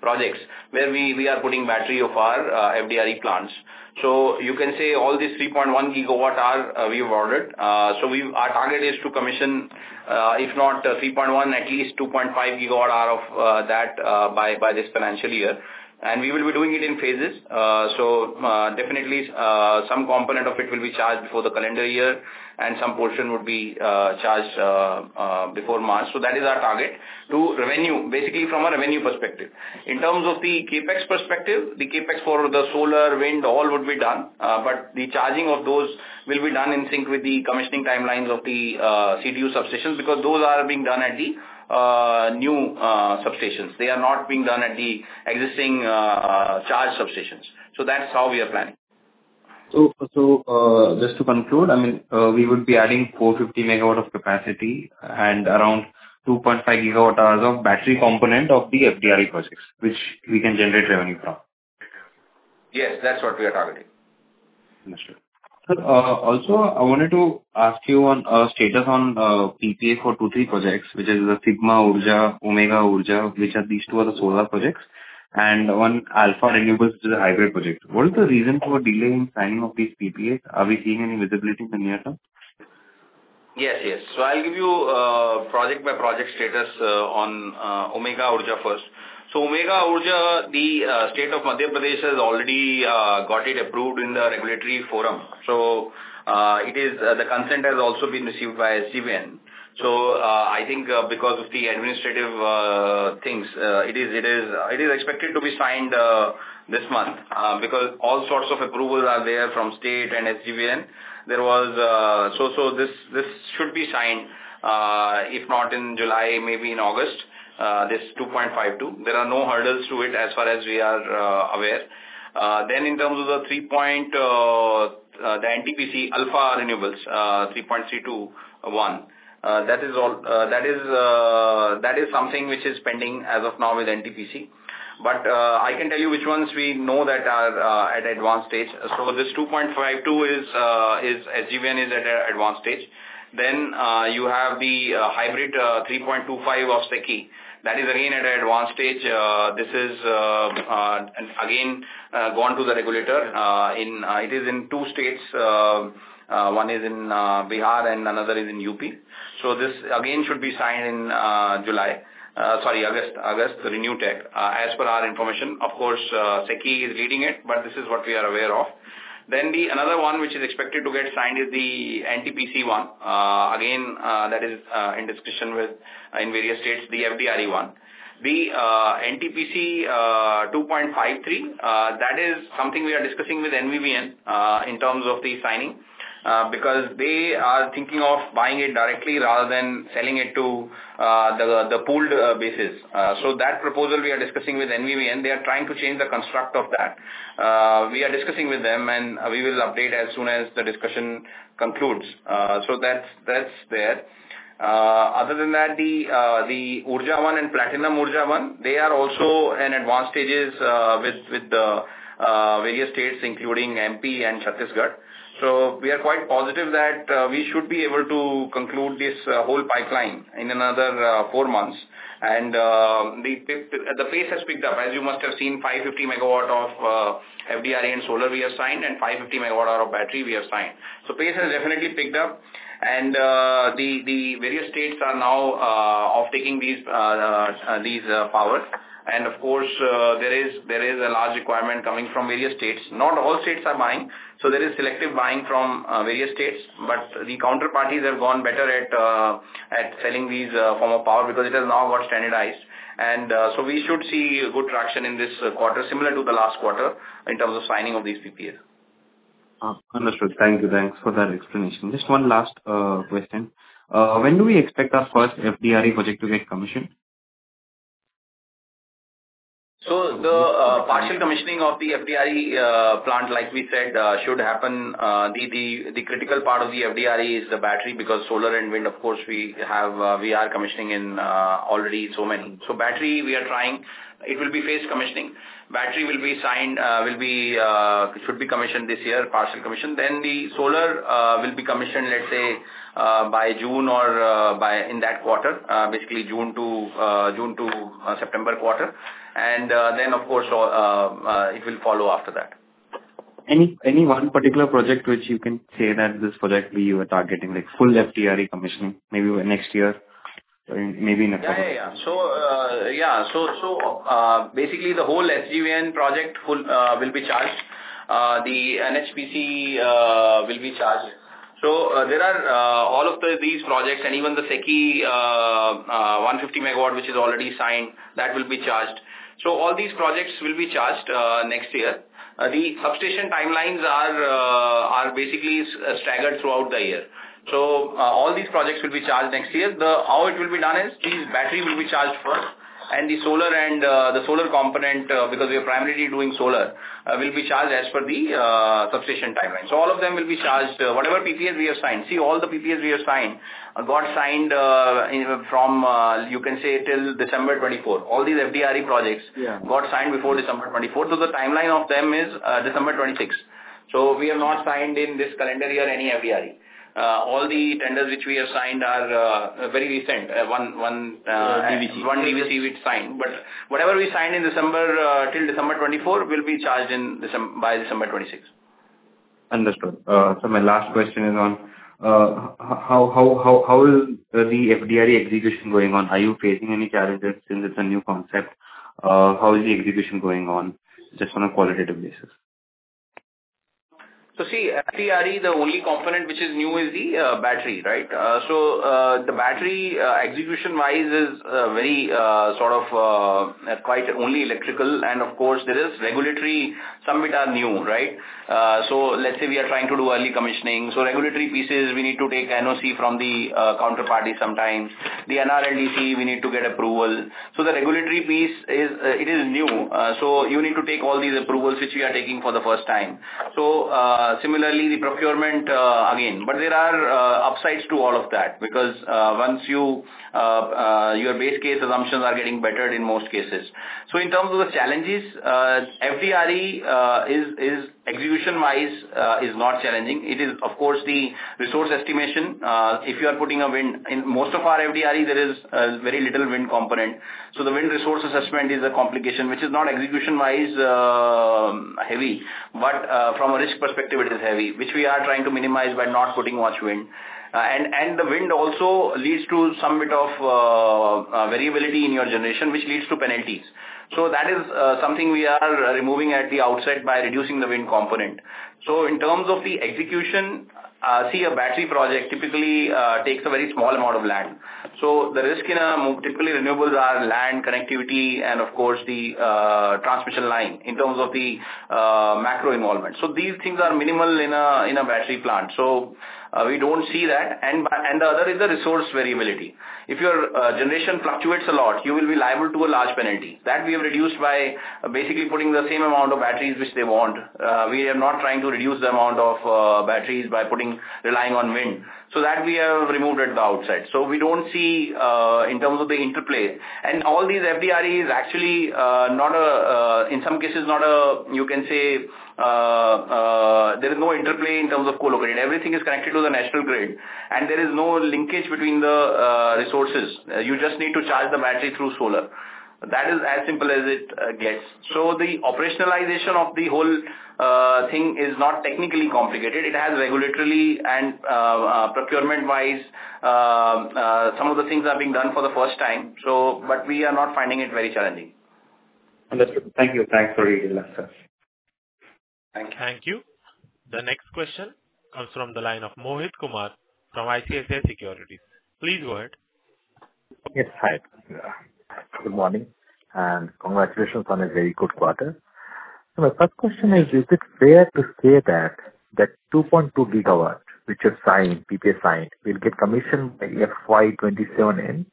projects where we are putting battery of our FDRE plants. You can say all these 3.1 GWh we have ordered. Our target is to commission, if not 3.1, at least 2.5 GWh of that by this financial year and we will be doing it in phases. Definitely some component of it will be charged before the calendar year and some portion would be charged before March. That is our target to revenue, basically from a revenue perspective. In terms of the CapEx perspective, the CapEx for the solar, wind all would be done, but the charging of those will be done in sync with the commissioning timelines of the CDU substations because those are being done at the new substations, they are not being done at the existing charged substations. That is how we are planning. So. To conclude, I mean we would be adding 450 MW of capacity and around 2.5 GWh of battery component of the FDRE projects, which we can generate revenue from. Yes, that's what we are targeting. Also, I wanted to ask you on a status on PPA for two, three projects, which is the Sigma, Orja, Omega, which are these two are the solar projects, and one Alpha Renewables, which is a hybrid project. What is the reason for delay? Signing of these PPAs? Are we seeing any visibility in the near term? Yes, yes. I'll give you project by project status on Omega Urja first. Omega, the state of Madhya Pradesh has already got it approved in the regulatory forum. The consent has also been received. I think because of the administrative things, it is expected to be signed this month because all sorts of approvals are there from the state and SJVN. This should be signed, if not in July, maybe in August. This 2.52, there are no hurdles to it as far as we are aware. In terms of the 3.0, the NTPC Alpha Renewables 3.321, that is something which is pending as of now with NTPC. I can tell you which ones we know that are at an advanced stage. This 2.52, SJVN is at an advanced stage. Then you have the hybrid 3.25 of SECI, that is again at an advanced stage. This has again gone to the regulator, it is in two states, one is in Bihar and another is in UP. This again should be signed in July, sorry, August. August Renew Tech, as per our information, of course SECI is leading it, but this is what we are aware of. Another one which is expected to get signed is the NTPC one. That is in discussion with various states, the FDRE one, the NTPC 2.53. That is something we are discussing with NVVN in terms of the signing because they are thinking of buying it directly rather than selling it to the pooled basis. That proposal we are discussing with NVVN and they are trying to change the construct of that. We are discussing with them and we will update as soon as the discussion concludes. Other than that, the Urja 1 and Platinum Urja 1, they are also in advance with various states including MP and Chhattisgarh. We are quite positive that we should be able to conclude this whole pipeline in another four months. The pace has picked up as you must have seen. 550 MW of FDRE and solar we assigned and 5 MWh of battery we have signed. Pace has definitely picked up and the various states are now off taking these power. There is a large requirement coming from various states. Not all states are buying, so there is selective buying from various states. The counterparties have gone better at selling these forms of power because it has now got standardized, and we should see good traction in this quarter similar to the last quarter in terms of signing of these PPAs. Understood. Thank you. Thanks for that explanation. Just one last question. When do we expect our first FDRE project to get commissioned? The partial commissioning of the FDRE plant like we said should happen. The critical part of the FDRE is the battery because solar and wind, of course, we have commissioning already in so many. Battery will be phased commissioning. Battery will be signed, should be commissioned this year, partial commission. The solar will be commissioned let's say by June or in that quarter, basically June to September quarter. It will follow after that. Any one particular project which you. Can say that this project we are targeting like full FDRE commissioning maybe next year maybe. Basically, the whole SGVN project will be charged. The NHPC will be charged. There are all of these projects and even the SECI 150 MW, which is already signed, that will be charged. All these projects will be charged next year. The substation timelines are basically staggered throughout the year. All these projects will be charged next year. How it will be done is these batteries will be charged first, and the solar component, because we are primarily doing solar, will be charged as per the substation timeline. All of them will be charged. Whatever PPAs we have signed. See, all the PPAs we have signed got signed from, you can say, till December 2024. All these FDRE projects got signed before December 2024. The timeline of them is December 2026. We have not signed in this calendar year any FDRE. All the tenders which we have signed are very recent. One DVC which signed. Whatever we signed till December 24th will be charged by December 2026. Understood. My last question is on how is the FDRE execution going on? Are you facing any challenges? Since it's a new concept, how is the execution going on? Just on a qualitative basis. The only component which is new is the battery, right. The battery execution wise is very sort of quite only electrical. Of course, there is regulatory, some IT are new. Right. Let's say we are trying to do early commissioning. For regulatory pieces, we need to take NOC from the counterparty. Sometimes the NRLDC approval is needed. The regulatory piece is new, so you need to take all these approvals, which we are taking for the first time. Similarly, the procurement again, but there are upsides to all of that because once your base case assumptions are getting bettered in most cases. In terms of the challenges, FDRE execution wise is not challenging. It is, of course, the resource estimation. If you are putting a wind in most of our FDRE, there is very little wind component. The wind resource assessment is a complication, which is not execution wise heavy, but from a risk perspective, it is heavy, which we are trying to minimize by not putting much wind. The wind also leads to some bit of variability in your generation, which leads to penalties. That is something we are removing at the outset by reducing the wind component. In terms of the execution, a battery project typically takes a very small amount of land. The risk in a typical renewables project is land, connectivity, and, of course, the transmission line in terms of the macro involvement. These things are minimal in a battery plant, so we don't see that. The other is the resource variability. If your generation fluctuates a lot, you will be liable to a large penalty. That we have reduced by basically putting the same amount of batteries which they want. We are not trying to reduce the amount of batteries by relying on wind, so that we have removed at the outset. We don't see, in terms of the interplay, and all these FDREs actually, in some cases, not a—you can say there is no interplay in terms of co-located. Everything is connected to the national grid, and there is no linkage between the resources. You just need to charge the battery through solar. That is as simple as it gets. The operationalization of the whole thing is not technically complicated. It has, regulatory and procurement wise, some of the things are being done for the first time. So. We are not finding it very challenging. Thank you. Thanks for. Thank you. The next question comes from the line of Mohit Kumar from ICSI Securities. Please go ahead. Yes. Hi, good morning and congratulations on a very good quarter. My first question is, is it fair to say that 2.2 gigawatt which is PPA signed will get commissioned by FY2027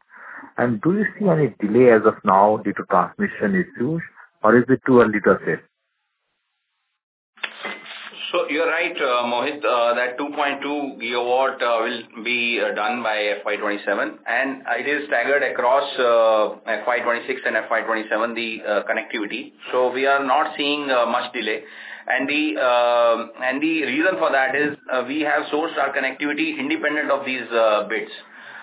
and do you see any delay as of now due to transmission issues or is it too early to say. You're right, Mohit. That 2.2 gigawatt will be done by FY 2027, and it is staggered across FY 2026 and FY 2027, the connectivity. We are not seeing much delay. The reason for that is we have sourced our connectivity independent of these bids.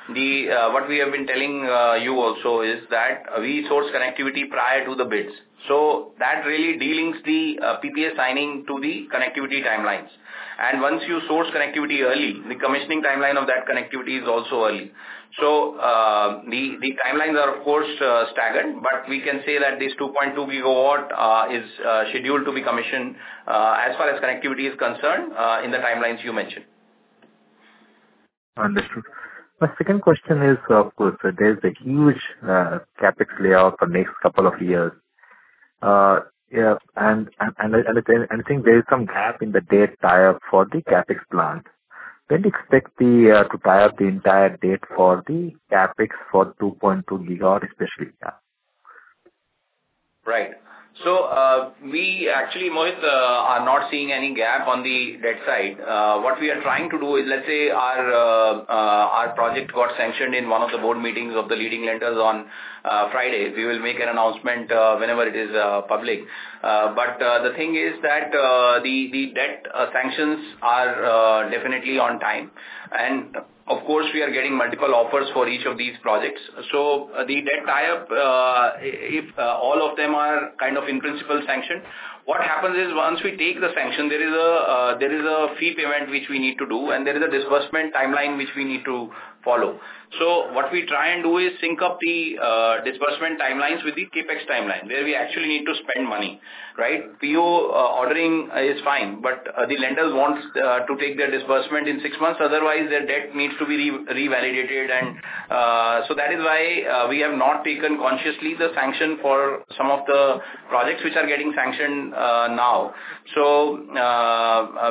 What we have been telling you also is that we source connectivity prior to the bids. That really delinks the PPA signing to the connectivity timelines. Once you source connectivity early, the commissioning timeline of that connectivity is also early. So. The timelines are of course staggered, but we can say that this 2.2 gigawatt is scheduled to be commissioned as far as connectivity is concerned in the timelines you mentioned. Understood. My second question is, of course, there's a huge CapEx layout for the next couple of years, and I think there is some gap in the debt tie-up for the CapEx plan. When do you expect to tie up the entire debt for the CapEx for 2.2 gigawatt especially? Right. We actually are not seeing any gap on the debt side. What we are trying to do is, let's say our project got sanctioned in one of the board meetings of the leading lenders on Friday. We will make an announcement whenever it is public, but the thing is that the debt sanctions are definitely on time and of course we are getting multiple offers for each of these projects. The debt tie-up, all of them are kind of in principle sanctioned. What happens is once we take the sanction, there is a fee payment which we need to do and there is a disbursement timeline which we need to follow. What we try and do is sync up the disbursement timelines with the CapEx timeline where we actually need to spend money. Right. PO ordering is fine, but the lenders want to take their disbursement in six months, otherwise their debt needs to be revalidated. That is why we have not taken consciously the sanction for some of the projects which are getting sanctioned now.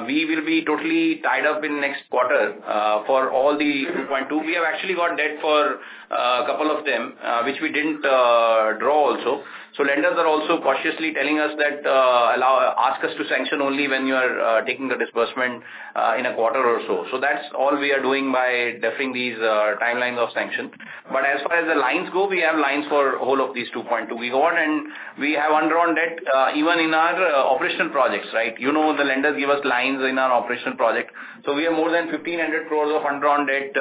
We will be totally tied up in next quarter for all the 2.2. We have actually got debt for a couple of them which we didn't draw also. Lenders are also cautiously telling us to ask for sanction only when you are taking the disbursement in a quarter or so. That is all we are doing by defining these timelines of sanction. As far as the lines go, we have lines for the whole of these 2.2 we go on, and we have undrawn debt even in our operational projects, right. You know the lenders give us lines in our operational project. We have more than 1,500 crore of undrawn debt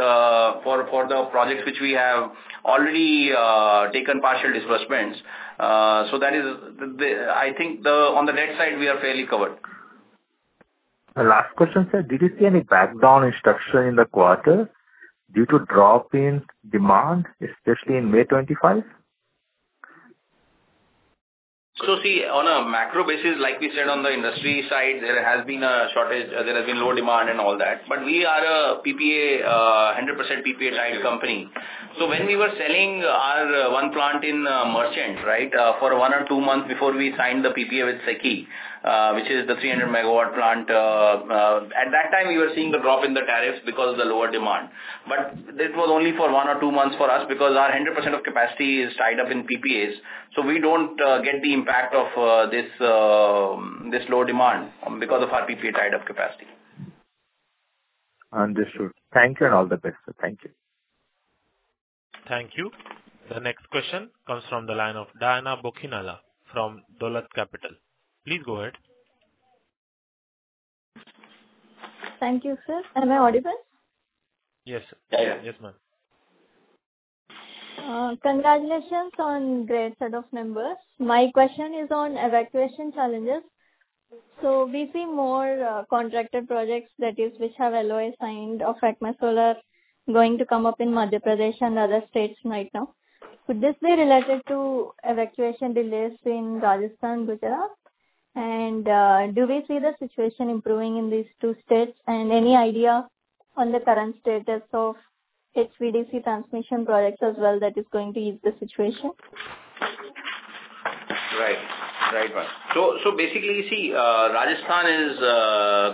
for the projects which we have already taken partial disbursements. That is, I think, on the debt side we are fairly covered. The last question, sir, did you see any back down in structure in the quarter due to drop in demand, especially on May 25th? On a macro basis, like we said, on the industry side there has been a shortage, there has been low demand and all that, but we are a 100% PPA type company. When we were selling our one plant in merchant, right, for one or two months before we signed the PPA with SECI, which is the 300 MW plant, at that time we were seeing the drop in the tariffs because of the lower demand. It was only for one or two months for us because 100% of our capacity is tied up in PPAs. We don't get the impact of this low demand because of our PPA tied up capacity. Understood. Thank you and all the best. Thank you. Thank you. The next question comes from the line of Diana Bokhinala from Daulat Capital Markets Private Limited. Please go ahead. Thank you, sir. Am I audible? Yes. Yes ma'am. Am. Congratulations on great set of numbers. My question is on evacuation challenges. We see more contracted projects, that is, which have LOIs signed of ACME Solar, are going to come up in Madhya Pradesh and other states right now. Could this be related to evacuation delays in Rajasthan, Gujarat, and do we see the situation improving in these two states? Any idea on the current status of HVDC transmission projects as well? That is going to ease the situation. Right? Right. So. Basically, Rajasthan's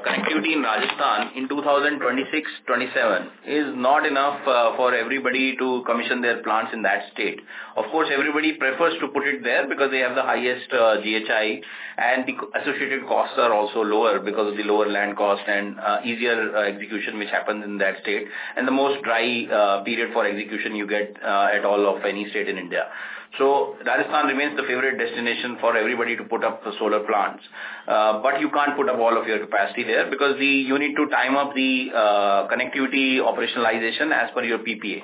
connectivity in 2026, 2027 is not enough for everybody to commission their plants in that state. Of course, everybody prefers to put it there because they have the highest GHI and the associated costs are also lower because of the lower land cost and easier execution which happens in that state. The most dry period for execution you get of any state in India. Rajasthan remains the favorite destination for everybody to put up the solar plants. You can't put up all of your capacity there because you need to time up the connectivity operationalization as per your PPA.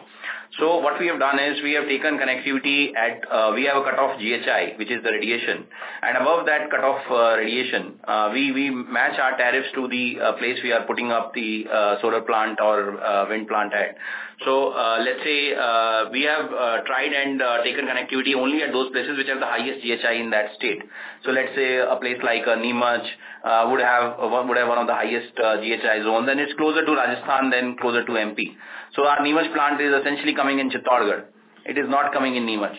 What we have done is we have taken connectivity at, we have a cutoff GHI which is the radiation. Above that cutoff radiation, we match our tariffs to the place we are putting up the solar plant or wind plant at. Let's say we have tried and taken connectivity only at those places which have the highest GHI in that state. Let's say a place like Neemaj would have one of the highest GHI zones. It's closer to Rajasthan than closer to MP. Our Neemaj plant is essentially coming in Chittaugarh. It is not coming in Neemaj.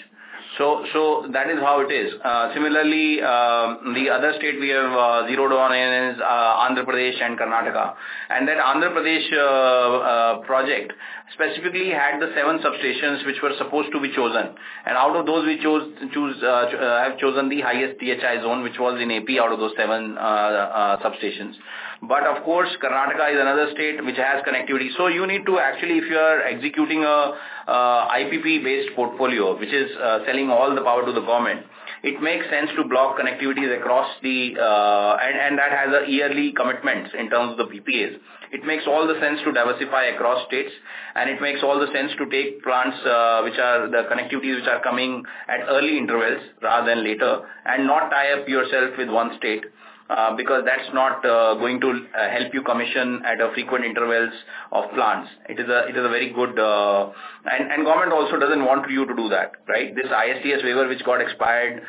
So. That is how it is. Similarly, the other state, we have 0 to 1 in Andhra Pradesh and Karnataka. That Andhra Pradesh project specifically had the seven substations which were supposed to be chosen. Out of those, I have chosen the highest THI zone which was in Andhra Pradesh out of those seven substations. Of course, Karnataka is another state which has connectivity. You need to actually, if you are executing an IPP-based portfolio which is selling all the power to the government, it makes sense to block connectivities across, and that has yearly commitments in terms of the BPAs. It makes all the sense to diversify across states, and it makes all the sense to take plants which are the connectivities which are coming at early intervals rather than later, and not tie up yourself with one state because that's not going to help you commission at frequent intervals of plants. It is very good, and government also doesn't want you to do that. Right. This ISTS waiver, which got expired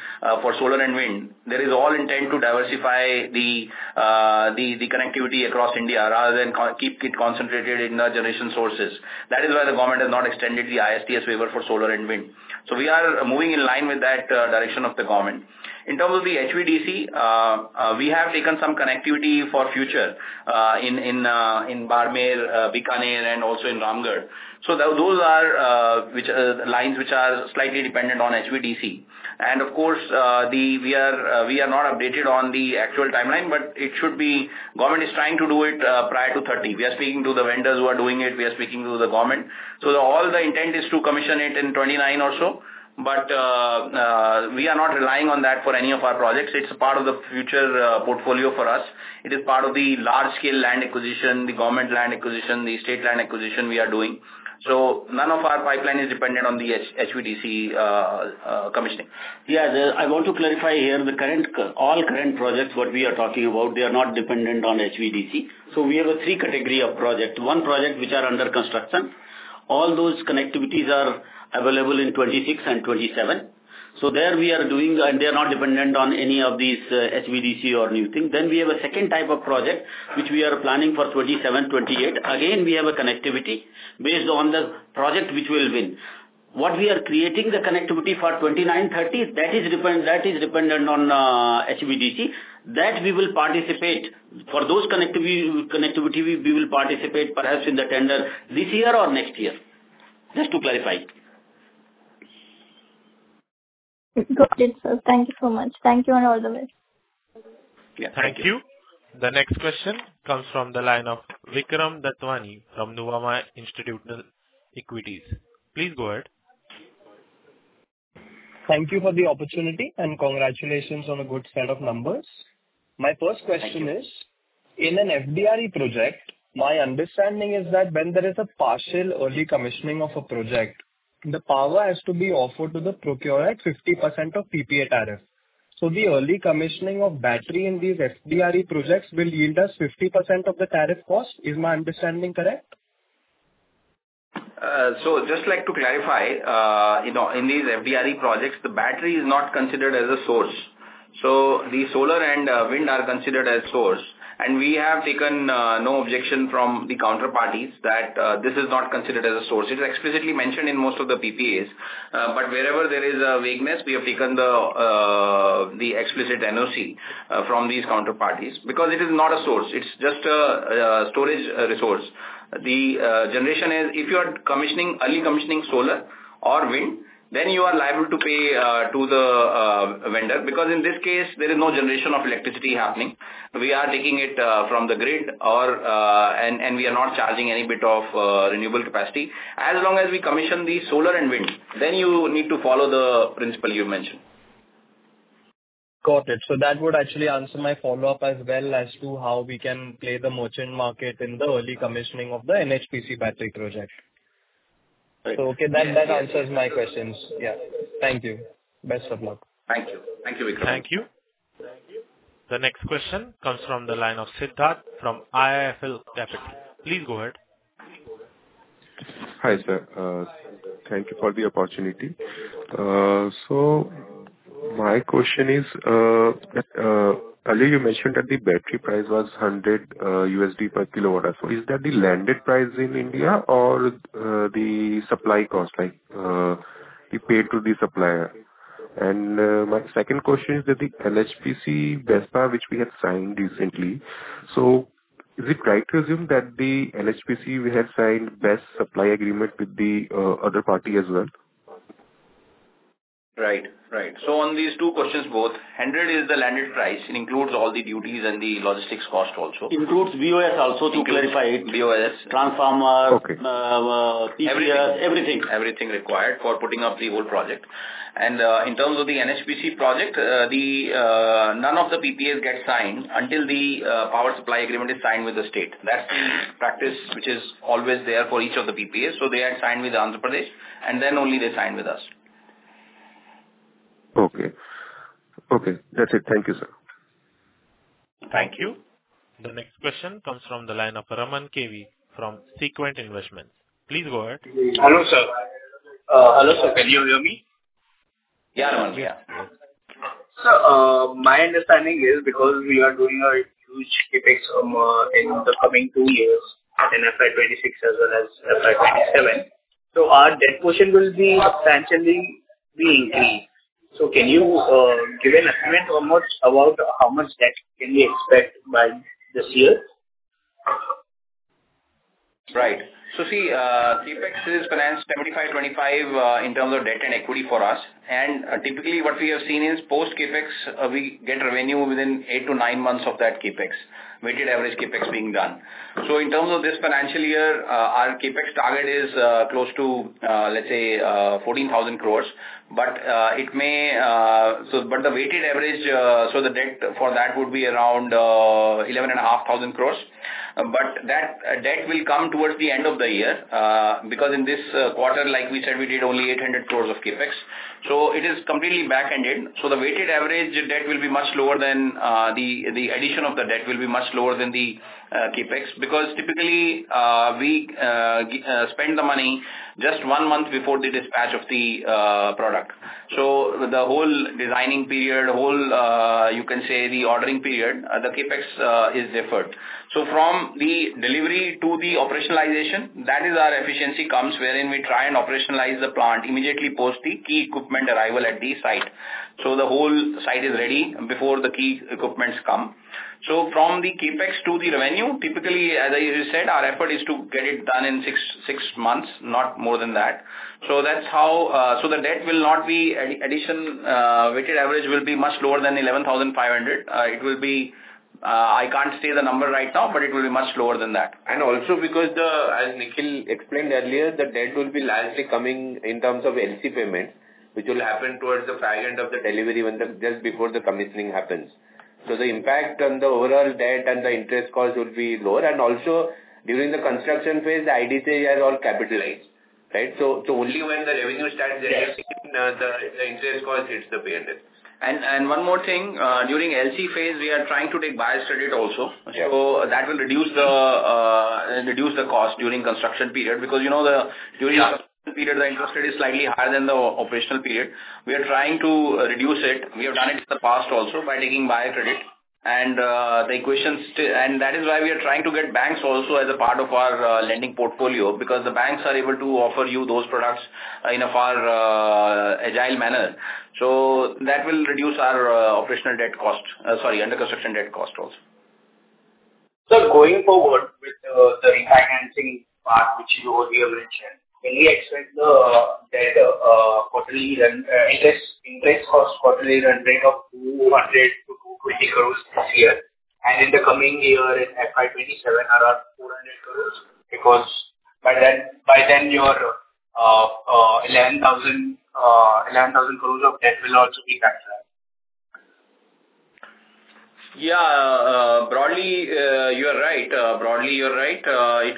for solar and wind, is all intent to diversify the connectivity across India rather than keep it concentrated in generation sources. That is why the government has not extended the ISTS waiver for solar and wind. We are moving in line with that direction of the government. In terms of the HVDC, we have taken some connectivity for future in and also in Ramgarh. Those are lines which are slightly dependent on HVDC. We are not updated on the actual timeline, but it should be. The government is trying to do it prior to 2030. We are speaking to the vendors who are doing it. We are speaking to the government. All the intent is to commission it in 2029 or so. We are not relying on that for any of our projects. It is a part of the future portfolio for us. It is part of the large-scale land acquisition, the government land acquisition, the state land acquisition we are doing. None of our pipeline is dependent on the HVDC commissioning. Yeah, I want to clarify here the current, all current projects what we are talking about. They are not dependent on HVDC. We have a three category of project. One project which are under construction. All those connectivities are available in 2026 and 2027. There we are doing and they are not dependent on any of these HVDC or new thing. We have a second type of project which we are planning for 2027, 2028. Again, we have a connectivity based on the project which will win what we are creating the connectivity for 2029, 2030. That is dependent, that is dependent on HVDC. We will participate for those connectivity. We will participate perhaps in the tender this year or next year here just to clarify. Got it, sir. Thank you so much. Thank you and all the best. Thank you. The next question comes from the line of Vikram Dani from Nuvama Institute Equities. Please go ahead. Thank you for the opportunity and congratulations. On a good set of numbers. My first question is in an FDRE. Project, my understanding is that when there is a partial early commissioning of a project, the power has to be offered to the procurer at 50% of PPA tariff. The early commissioning of battery in. These FDRE projects will yield us 50% of the tariff cost. Is my understanding correct? Just to clarify, in these FDRE projects the battery is not considered as a source. The solar and wind are considered as source. We have taken no objection from the counterparties that this is not considered as a source. It is explicitly mentioned in most of the PPAs. Wherever there is a vagueness, we have taken the explicit NOC from these counterparties because it is not a source, it is just a storage resource. The generation is. If you are commissioning early commissioning solar or wind, then you are liable to pay to the vendor. In this case there is no generation of electricity happening. We are taking it from the grid and we are not charging any bit of renewable capacity. As long as we commission the solar and wind, then you need to follow the principle you mentioned. Got it. That would actually answer my follow. Up as well as to how we can play the merchant market in the early commissioning of the NHPC battery project. Okay, that answers my questions. Yeah. Thank you. Best of luck. Thank you. Thank you. Thank you. The next question comes from the line of Siddharth from IIFL. Deputy, please go ahead. Hi, sir. Thank you for the opportunity. Earlier you mentioned. The battery price was $100 per kilowatt. Is that the landed price in? India or the supply cost like you. Paid to the supplier? My second question is that the NHPC Vespa which we have signed recently, is it right to assume that the NHPC we have signed best supply agreement with the other party as well? Right. Right. On these two questions, both 100 is the landed price. It includes all the duties and the. Logistics cost also includes BOS. Also, to clarify, BOS, transformer, everything, everything. Required for putting up the whole project. In terms of the NHPC project, none of the PPAs get signed until the power supply agreement is signed with the state. That's the practice which is always there for each of the PPA. They had signed with Andhra Pradesh and then only they signed with us. Okay. Okay, that's it. Thank you, sir. Thank you. The next question comes from the line of Raman KV from Sequent Investments. Please go ahead. Hello sir, can you hear me? Yeah, my understanding is because we are. Doing a huge CapEx in the coming two years in FY 2026 as well as FY 2027, our debt portion will be substantially. Can you give an estimate, about how much debt can we expect by this year? Right, so see CapEx is financed 75, 25 in terms of debt and equity for us, and typically what we have seen is post CapEx we get revenue within eight to nine months of that CapEx weighted average CapEx being done. In terms of this financial year, our CapEx target is close to, let's say, 14,000 crore, but it may, so, but the weighted average, so the debt for that would be around 11,500 crore, but that debt will come towards the end of the year because in this quarter, like we said, we did only 800 crore of CapEx, so it is completely back ended. The weighted average debt will be much lower than the addition of the debt, will be much lower than the CapEx because typically we spend the money just one month before the dispatch of the product. The whole designing period, whole, you can say, the ordering period, the CapEx is deferred. From the delivery to the operationalization, that is our efficiency comes wherein we try and operationalize the plant immediately post the key equipment arrival at the site, so the whole site is ready before the key equipment come. From the CapEx to the revenue, typically, as I said, our effort is to get it done in six, six months, not more than that. The debt will not be addition, weighted average will be much lower than 11,500. It will be, I can't say the number right now, but it will be much lower than that. As Nikhil explained earlier, the debt will be largely coming in terms of income payments, which will happen towards the back end of the delivery just before the commissioning happens. The impact on the overall debt and the interest cost will be lower, and also during the construction phase, the IDC is all capitalized, right? Only when the revenue starts generating. The interest cost hits the payment. During LC phase we are trying to take buyer credit also, so that will reduce the cost during construction period because you know the period the interest rate is slightly higher than the operational period. We are trying to reduce it, we have done it in the past also by taking buyer credit and the equations, and that is why we are trying to get banks also as a part of our lending portfolio because the banks are able to offer you those products in a far agile manner. That will reduce our operational debt cost, sorry, under construction debt cost also. Going forward with the refinancing part which you earlier mentioned, can we expect the debt quarterly interest cost quarterly run rate of 200 to 220 crore this year and in the coming year in FY 2027 around 400 crore? Because by then your 11,000 crore of debt will also be transferred. Yeah, broadly you're right. It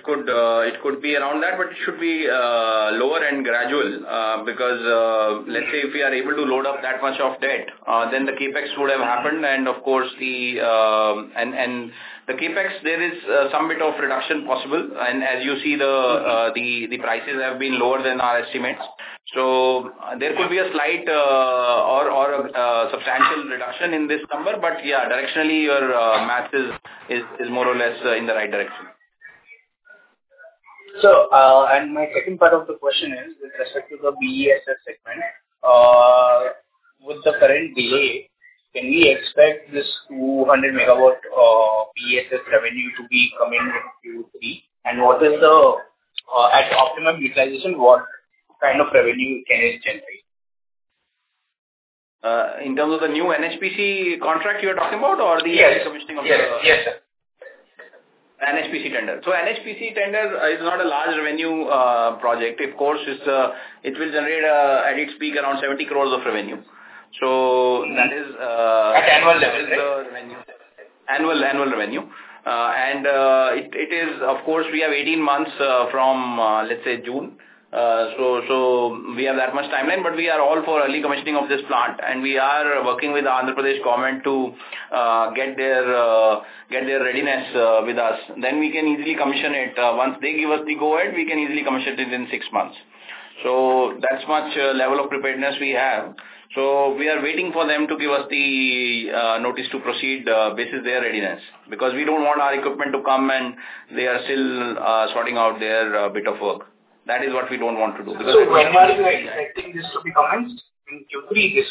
could be around that, but it should be lower and gradual because let's say if we are able to load up that much of debt, then the CapEx would have happened and of course the CapEx, there is some bit of reduction possible and as you see, the prices have been lower than our estimates. There could be a slight or a substantial reduction in this number. Yeah, directionally your math is more or less in the right direction. My second part of the. Question is with respect to the BESS segment, with the current delay can we expect this 200 MW BESS revenue to be coming in Q3, and at optimum utilization, what kind of revenue can it generate? In terms of the new NHPC contract you are talking about or the commissioning of. Yes, NHPC tender. The NHPC tender is not a large revenue project, of course. It will generate at its peak around 70 crore of revenue at the annual level. Annual. Revenue and of course we have 18 months from, let's say, June. We have that much timeline. We are all for early commissioning of this plant and we are working with Andhra Pradesh government to get their readiness with us. Once they give us the go ahead, we can easily commission it in six months. That's the level of preparedness we have. We are waiting for them to give us the notice to proceed based on their readiness because we don't want our equipment to come and they are still sorting out their bit of work. That is what we don't want to do. When are you expecting this to be commenced in Q3?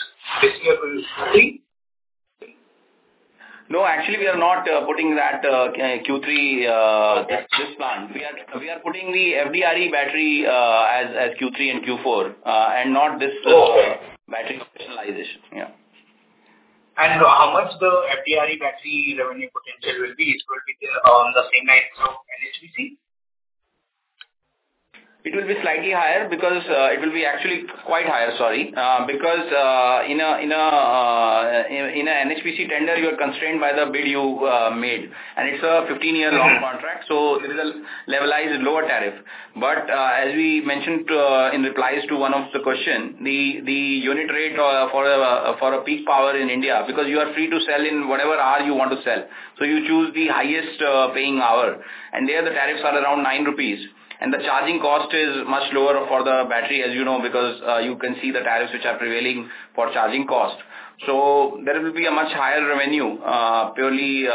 No, actually we are not putting that Q3 this plant. We are putting the FDRE battery as Q3 and Q4, and not this battery operationalization. How much the FDRE battery revenue potential will be? It will be on the same night. It will be slightly higher because it will be actually quite higher. Sorry. In a NHPC tender you are constrained by the bid you made, and it's a 15-year long contract. So. There is a levelized lower tariff, but as we mentioned in replies to one of the questions, the unit rate for a peak power in India, because you are free to sell in whatever hour you want to sell, you choose the highest paying hour and there the tariffs are around 9 rupees and the charging cost is much lower for the battery, as you know, because you can see the tariffs which are prevailing for charging cost. There will be a much higher revenue purely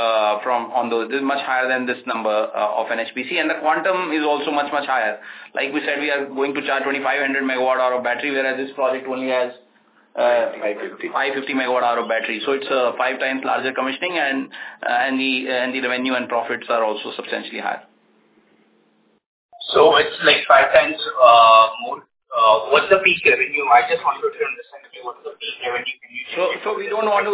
from those, much higher than this number of NHPC. The quantum is also much, much higher. Like we said, we are going to charge 2,500 MWh of battery, whereas this project only has 550 MWh of battery. It is a five times larger commissioning and the revenue and profits are also substantially higher. It's like five times more. What's the peak revenue? I just wanted to understand. We don't want to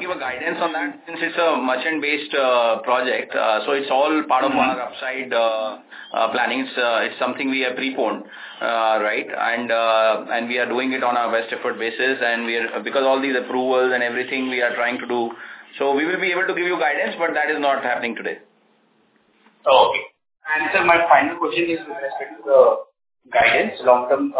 give a guidance on that since it's a merchant based project. It's all part of our upside plannings. It's something we have preponed, and we are doing it on our best effort basis because all these approvals and everything we are trying to do. We will be able to give you guidance, but that is not happening today. Okay, my final question is with respect to the guidance long term,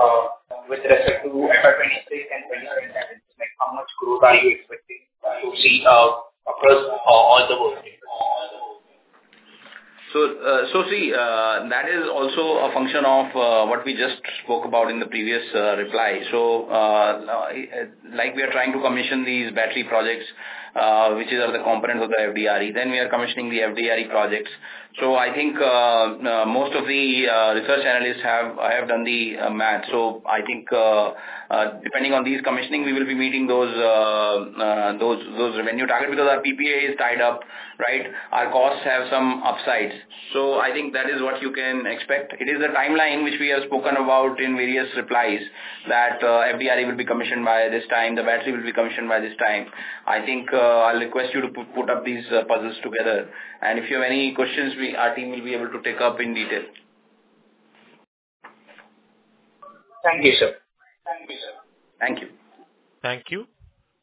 with respect to FY2026 and 2027, how much growth are you expecting to see across all the world? That is also a function of what we just spoke about in the previous reply. Like we are trying to commission these battery projects, which is the component of the FDRE. Then we are commissioning the FDRE projects. I think most of the research analysts have done the math. I think depending on these commissioning, we will be meeting those revenue target because our PPA is tied up. Right. Our costs have some upsides. I think that is what you can expect. It is the timeline which we have spoken about in various replies, that FDRE will be commissioned by this time. The battery will be commissioned by this time. I think I'll request you to put up these puzzles together, and if you have any questions, our team will be able to take up in detail. Thank you, sir. Thank you, sir. Thank you. Thank you.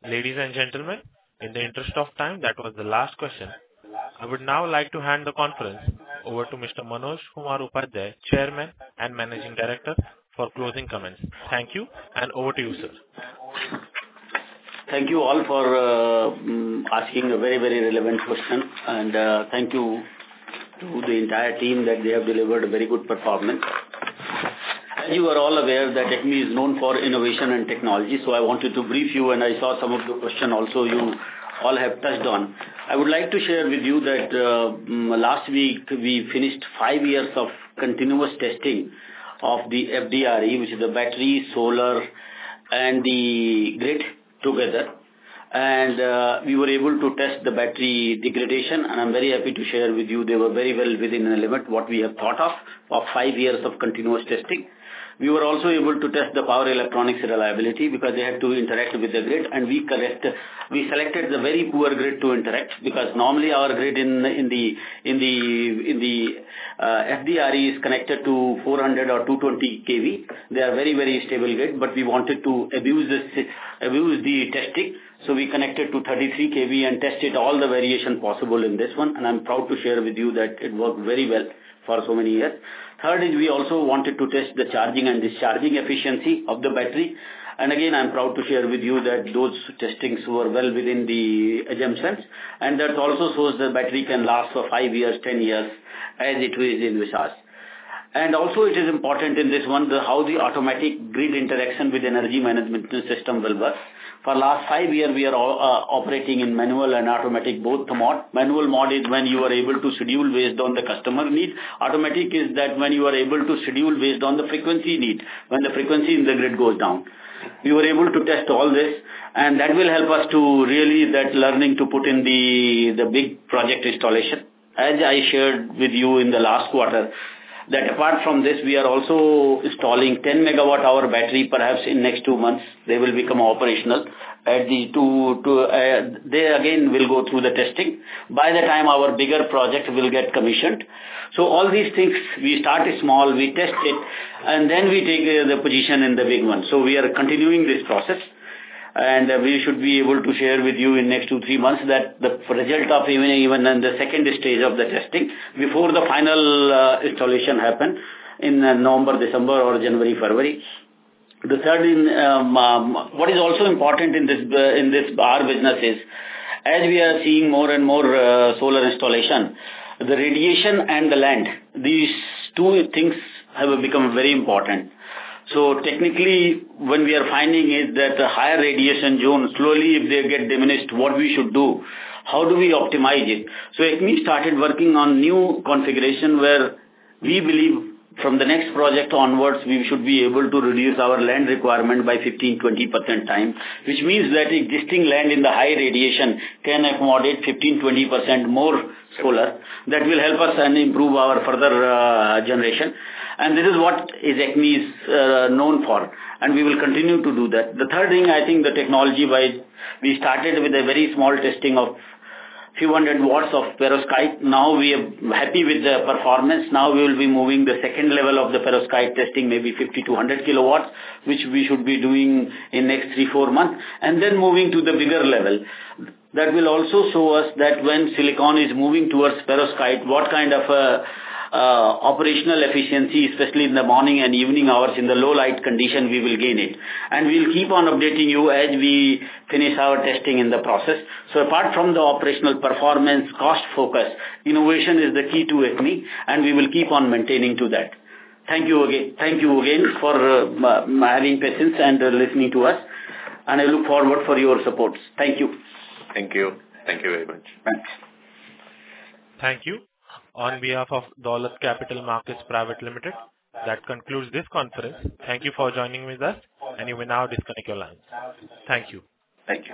Ladies and gentlemen, in the interest of time, that was the last question. I would now like to hand the conference over to Mr. Manoj Kumar Upadhya, Chairman and Managing Director, for closing comments. Thank you, and over to you, sir. Thank you all for asking a very, very relevant question, and thank you to the entire team that they have delivered a very good performance. As you are all aware, ACME Solar is known for innovation and technology. I wanted to brief you, and I saw some of the questions also you all have touched on. I would like to share with you that last week we finished five years of continuous testing of the FDRE, which is the battery, solar, and the grid together. We were able to test the battery degradation, and I'm very happy to share with you they were very well within a limit what we have thought of for five years of continuous testing. We were also able to test the power electronics reliability because they had to interact with the grid. We selected the very poor grid to interact because normally our grid in the FDRE is connected to 400 or 220 kV. They are very, very stable grid. We wanted to abuse the testing, so we connected to 33 kV and tested all the variation possible in this one. I'm proud to share with you that it worked very well for so many years. Third is we also wanted to test the charging and discharging efficiency of the battery, and again I'm proud to share with you that those testings were well within the assumptions, and that also shows the battery can last for five years, 10 years as it is in visas. Also, it is important in this one how the automatic grid interaction with energy management system will work. For last five years, we are operating in manual and automatic. Both the manual mode is when you are able to schedule based on the customer need. Automatic is that when you are able to schedule based on the frequency need when the frequency in the grid goes down. We were able to test all this, and that will help us to really put that learning in the big project installation. As I shared with you in the last quarter, apart from this, we are also installing 10 MWh battery. Perhaps in next two months, they will become operational at the two. They again will go through the testing by the time our bigger project will get commissioned. All these things, we start small, we test it, and then we take the position in the big one. We are continuing this process and we should be able to share with you in the next 2, 3 months the result of even in the second stage of the testing before the final installation happens in November, December, or January, February. The third, what is also important in this bar business is as we are seeing more and more solar installation, the radiation and the land, these two things have become very important. Technically, what we are finding is that the higher radiation zone, slowly if they get diminished, what we should do, how do we optimize it? ACME started working on new configuration, where we believe from the next project onwards, we should be able to reduce our land requirement by 15, 20% time, which means that existing land in the high radiation can accommodate 15, 20% more solar. That will help us and improve our further generation. This is what is known for and we will continue to do that. The third thing, I think technology wise, we started with a very small testing of few hundred watts of perovskite. Now we are happy with the performance. Now we will be moving to the second level of the perovskite testing, maybe 50 to 100 kilowatts, which we should be doing in the next three, four months, and then moving to the bigger level. That will also show us that when silicon is moving towards perovskite, what kind of operational efficiency, especially in the morning and evening hours in the low light condition, we will gain it. We'll keep on updating you as we finish our testing in the process. Apart from the operational performance cost focus, innovation is the key to ACME. We will keep on maintaining to that. Thank you again. Thank you again for having patience and listening to us. I look forward for your supports. Thank you. Thank you. Thank you very much. Thank you on behalf of Daulat Capital Markets Private Limited. That concludes this conference. Thank you for joining with us. You may now disconnect your lines. Thank you. Thank you.